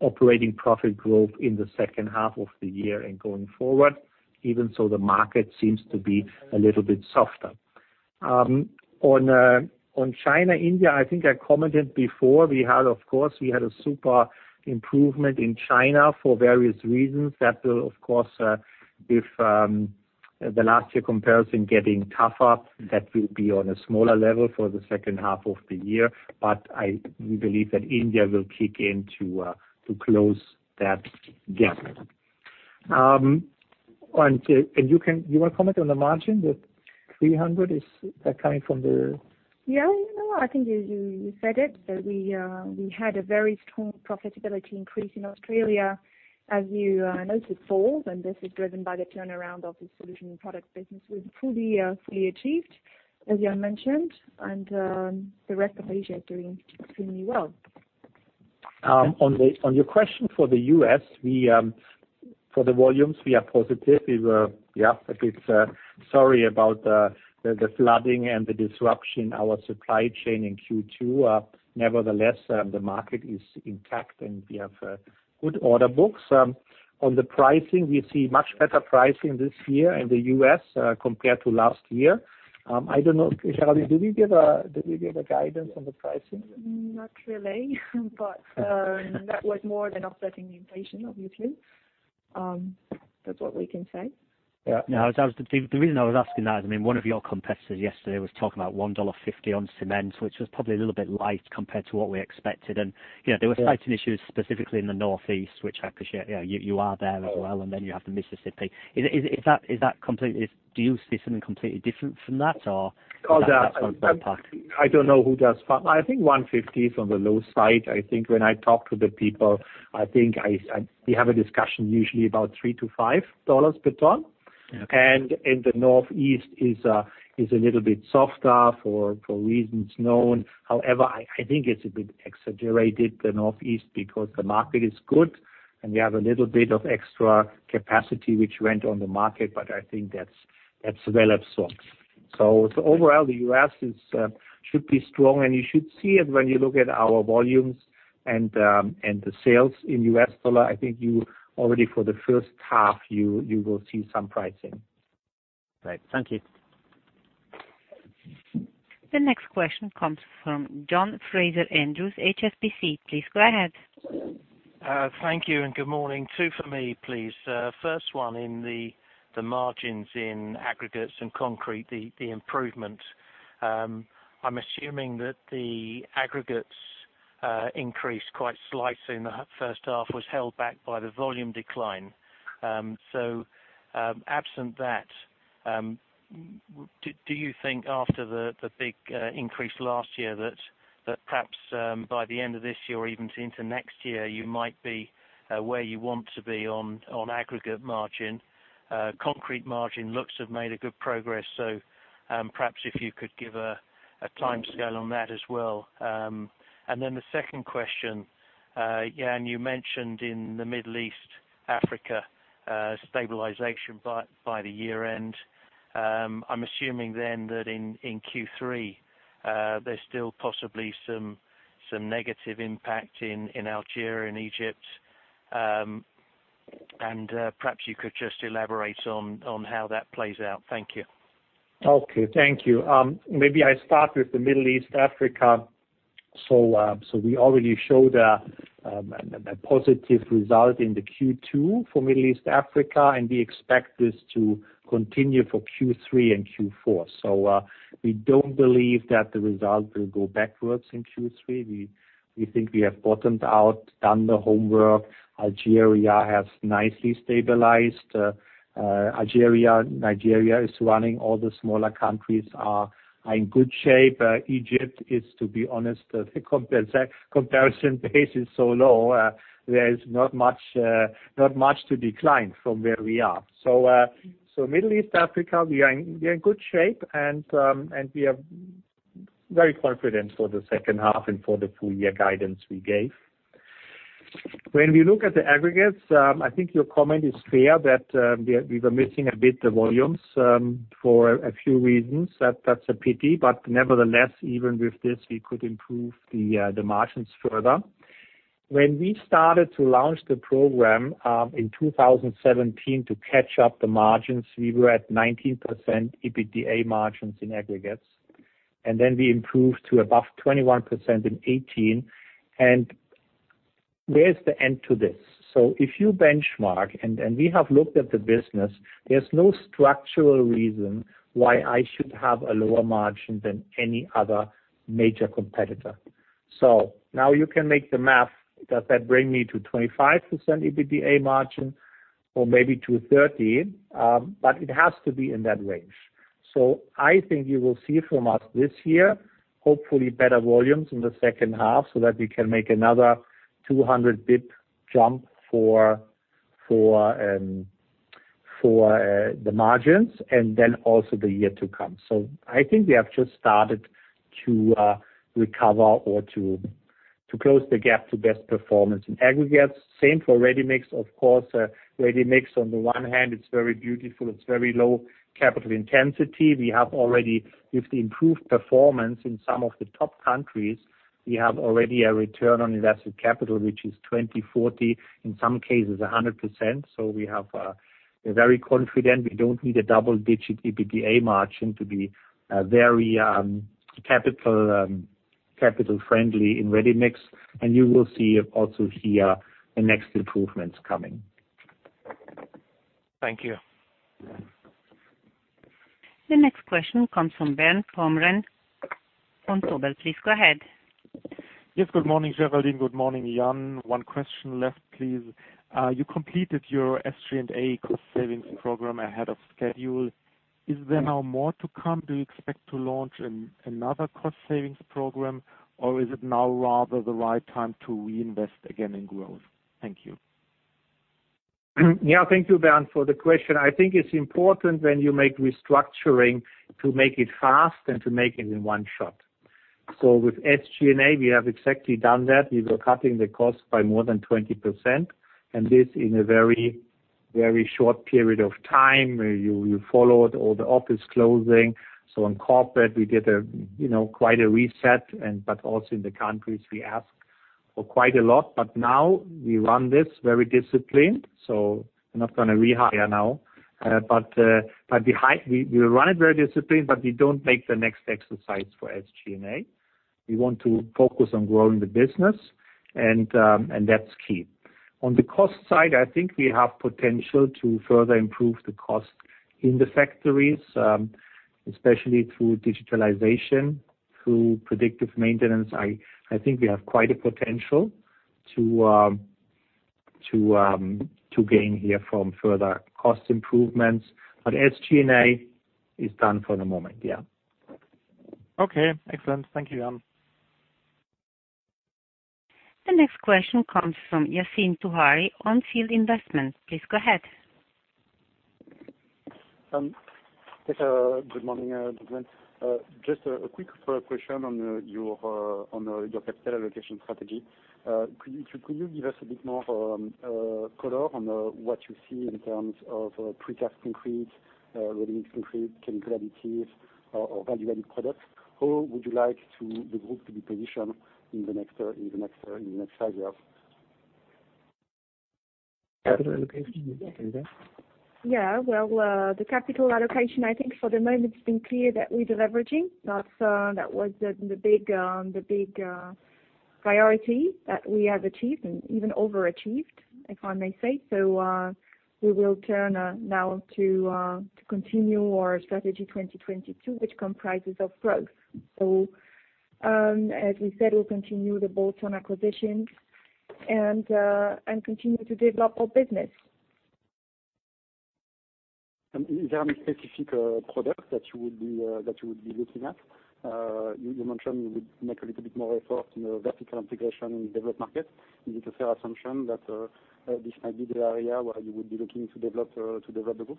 operating profit growth in the second half of the year and going forward, even so the market seems to be a little bit softer. On China, India, I think I commented before, we had of course a super improvement in China for various reasons. That will of course, with the last year comparison getting tougher, that will be on a smaller level for the second half of the year. We believe that India will kick in to close that gap. You want to comment on the margin, the 300 basis points, is that coming from the? Yeah, no. I think you said it, that we had a very strong profitability increase in Australia, as you noted, Paul. This is driven by the turnaround of the Solutions and Products business we've fully achieved, as Jan mentioned. The rest of Asia is doing extremely well. On your question for the U.S., for the volumes, we are positive. We were a bit sorry about the flooding and the disruption in our supply chain in Q2. Nevertheless, the market is intact, and we have good order books. On the pricing, we see much better pricing this year in the U.S. compared to last year. I don't know, Géraldine, did we give a guidance on the pricing? Not really, but that was more than offsetting the inflation, obviously. That's what we can say. Yeah. No. The reason I was asking that is one of your competitors yesterday was talking about $1.50 on cement, which was probably a little bit light compared to what we expected. They were citing issues specifically in the Northeast, which I appreciate you are there as well, and then you have the Mississippi. Do you see something completely different from that, or is that spot on? I don't know who does. I think $1.50 is on the low side. I think when I talk to the people, I think we have a discussion usually about $3-$5 per ton. Okay. The Northeast is a little bit softer for reasons known. However, I think it's a little bit exaggerated, the Northeast, because the market is good, and we have a little bit of extra capacity which went on the market, but I think that's well absorbed. Overall, the U.S. should be strong, and you should see it when you look at our volumes and the sales in US dollar. I think you already for the first half you will see some pricing. Right. Thank you. The next question comes from John Fraser-Andrews, HSBC. Please go ahead. Thank you and good morning. Two for me, please. First one, in the margins in Aggregates and Concrete, the improvement. I'm assuming that the Aggregates increase quite slightly in the first half was held back by the volume decline. Absent that, do you think after the big increase last year that perhaps, by the end of this year or even into next year, you might be where you want to be on Aggregates margin? Concrete margin looks to have made good progress, so perhaps if you could give a timescale on that as well. The second question. Jan, you mentioned in the Middle East, Africa, stabilization by the year end. I'm assuming then that in Q3, there's still possibly some negative impact in Algeria and Egypt, and perhaps you could just elaborate on how that plays out. Thank you. Okay. Thank you. Maybe I start with the Middle East, Africa. We already showed a positive result in the Q2 for Middle East, Africa, and we expect this to continue for Q3 and Q4. We don't believe that the result will go backwards in Q3. We think we have bottomed out, done the homework. Algeria has nicely stabilized. Algeria, Nigeria is running, all the smaller countries are in good shape. Egypt is, to be honest, the comparison base is so low, there is not much to decline from where we are. Middle East, Africa, we are in good shape, and we are very confident for the second half and for the full year guidance we gave. When we look at the Aggregates, I think your comment is fair that we were missing a bit the volumes for a few reasons. That's a pity, but nevertheless, even with this, we could improve the margins further. When we started to launch the program in 2017 to catch up the margins, we were at 19% EBITDA margins in Aggregates, and then we improved to above 21% in 2018. Where's the end to this? If you benchmark, and we have looked at the business, there's no structural reason why I should have a lower margin than any other major competitor. Now you can make the math. Does that bring me to 25% EBITDA margin or maybe to 30%? It has to be in that range. I think you will see from us this year, hopefully better volumes in the second half so that we can make another 200 basis point jump for the margins, and then also the year to come. I think we have just started to recover or to close the gap to best performance in Aggregates. Same for Ready-Mix, of course. Ready-Mix on the one hand, it's very beautiful. It's very low capital intensity. We have already, with the improved performance in some of the top countries, we have already a return on invested capital, which is 20%-40%, in some cases 100%. We're very confident we don't need a double-digit EBITDA margin to be very capital friendly in Ready-Mix. You will see also here the next improvements coming. Thank you. The next question comes from Bernd Pomrehn, Vontobel. Please go ahead. Yes. Good morning, Géraldine. Good morning, Jan. One question left, please. You completed your SG&A cost savings program ahead of schedule. Is there now more to come? Do you expect to launch another cost savings program, or is it now rather the right time to reinvest again in growth? Thank you. Yeah, thank you, Bernd, for the question. I think it's important when you make restructuring to make it fast and to make it in one shot. With SG&A, we have exactly done that. We were cutting the cost by more than 20%, and this in a very short period of time. You followed all the office closing. On corporate, we did quite a reset, also in the countries, we asked for quite a lot. Now we run this very disciplined, we're not going to rehire now. We run it very disciplined, we don't make the next exercise for SG&A. We want to focus on growing the business, that's key. On the cost side, I think we have potential to further improve the cost in the factories, especially through digitalization, through predictive maintenance. I think we have quite a potential to gain here from further cost improvements. SG&A is done for the moment. Yeah. Okay. Excellent. Thank you, Jan. The next question comes from Yassine Touahri, On Field Investment. Please go ahead. Good morning. Just a quick follow-up question on your capital allocation strategy. Could you give us a bit more color on what you see in terms of precast concrete, ready-mix concrete, chemical additives, or value-added products? How would you like the group to be positioned in the next five years? Capital allocation, you say that? Yeah. Well, the capital allocation, I think for the moment it's been clear that we're deleveraging. That was the big priority that we have achieved and even overachieved, if I may say. We will turn now to continue our Strategy 2022, which comprises of growth. As we said, we'll continue the bolt-on acquisitions and continue to develop our business. Is there any specific product that you would be looking at? You mentioned you would make a little bit more effort in vertical integration in the developed market. Is it a fair assumption that this might be the area where you would be looking to develop the group?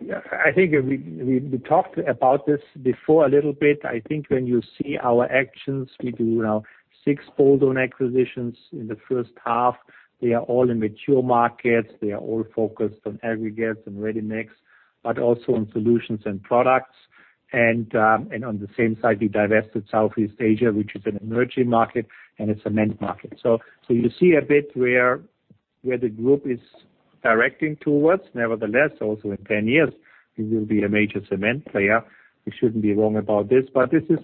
I think we talked about this before a little bit. I think when you see our actions, we do now 6 bolt-on acquisitions in the first half. They are all in mature markets. They are all focused on Aggregates and Ready-Mix, but also on Solutions and Products. On the same side, we divested Southeast Asia, which is an emerging market and a cement market. You see a bit where the group is directing towards. Nevertheless, also in 10 years, we will be a major cement player. We shouldn't be wrong about this, but this is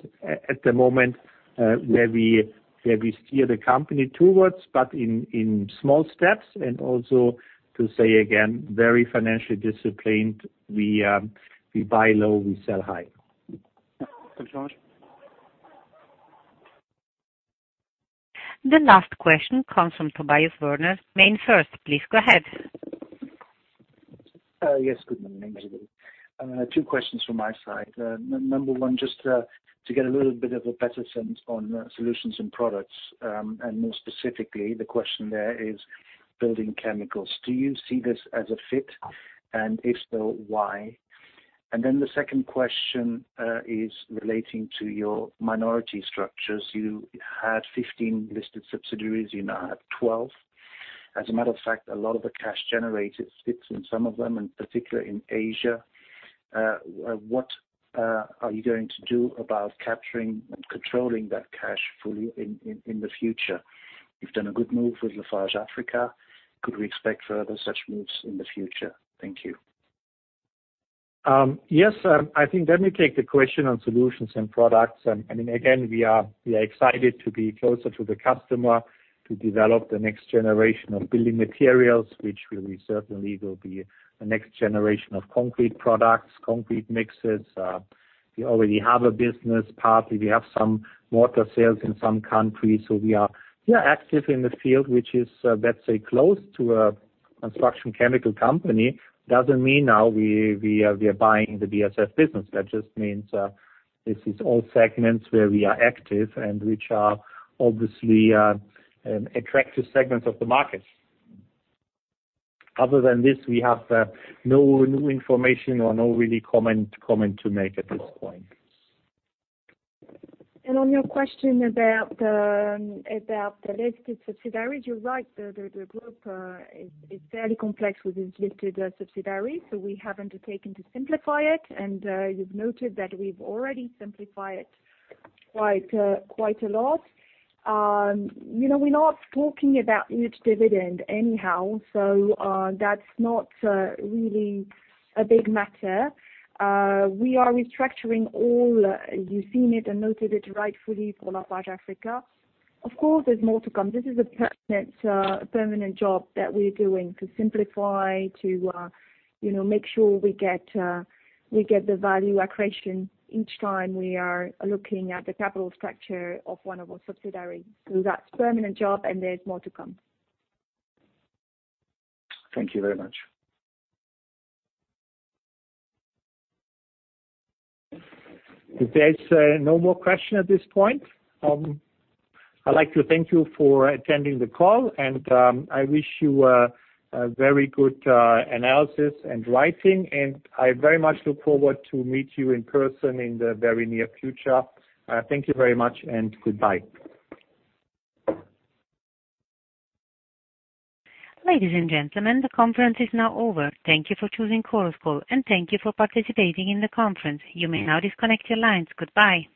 at the moment where we steer the company towards, but in small steps and also to say again, very financially disciplined. We buy low, we sell high. Thank you so much. The last question comes from Tobias Woerner, MainFirst. Please go ahead. Yes. Good morning. Two questions from my side. Number one, just to get a little bit of a better sense on Solutions and Products, and more specifically, the question there is building chemicals. Do you see this as a fit? If so, why? The second question is relating to your minority structures. You had 15 listed subsidiaries, you now have 12. As a matter of fact, a lot of the cash generated sits in some of them, and particularly in Asia. What are you going to do about capturing and controlling that cash fully in the future? You've done a good move with Lafarge Africa. Could we expect further such moves in the future? Thank you. Yes. Let me take the question on Solutions and Products. Again, we are excited to be closer to the customer to develop the next generation of building materials, which will certainly be the next generation of concrete products, concrete mixes. We already have a business, partly, we have some mortar sales in some countries. We are active in the field, which is, let's say, close to a construction chemical company. Doesn't mean now we are buying the BASF business. That just means this is all segments where we are active and which are obviously attractive segments of the market. Other than this, we have no new information or no really comment to make at this point. On your question about the listed subsidiaries, you're right, the group is fairly complex with its listed subsidiaries. We have undertaken to simplify it, and you've noted that we've already simplified it quite a lot. We're not talking about huge dividend anyhow, so that's not really a big matter. We are restructuring all, you've seen it and noted it rightfully for Lafarge Africa. Of course, there's more to come. This is a permanent job that we're doing to simplify, to make sure we get the value accretion each time we are looking at the capital structure of one of our subsidiaries. That's a permanent job and there's more to come. Thank you very much. If there is no more question at this point, I'd like to thank you for attending the call, and I wish you a very good analysis and writing, and I very much look forward to meet you in person in the very near future. Thank you very much, and goodbye. Ladies and gentlemen, the conference is now over. Thank you for choosing Chorus Call, and thank you for participating in the conference. You may now disconnect your lines. Goodbye.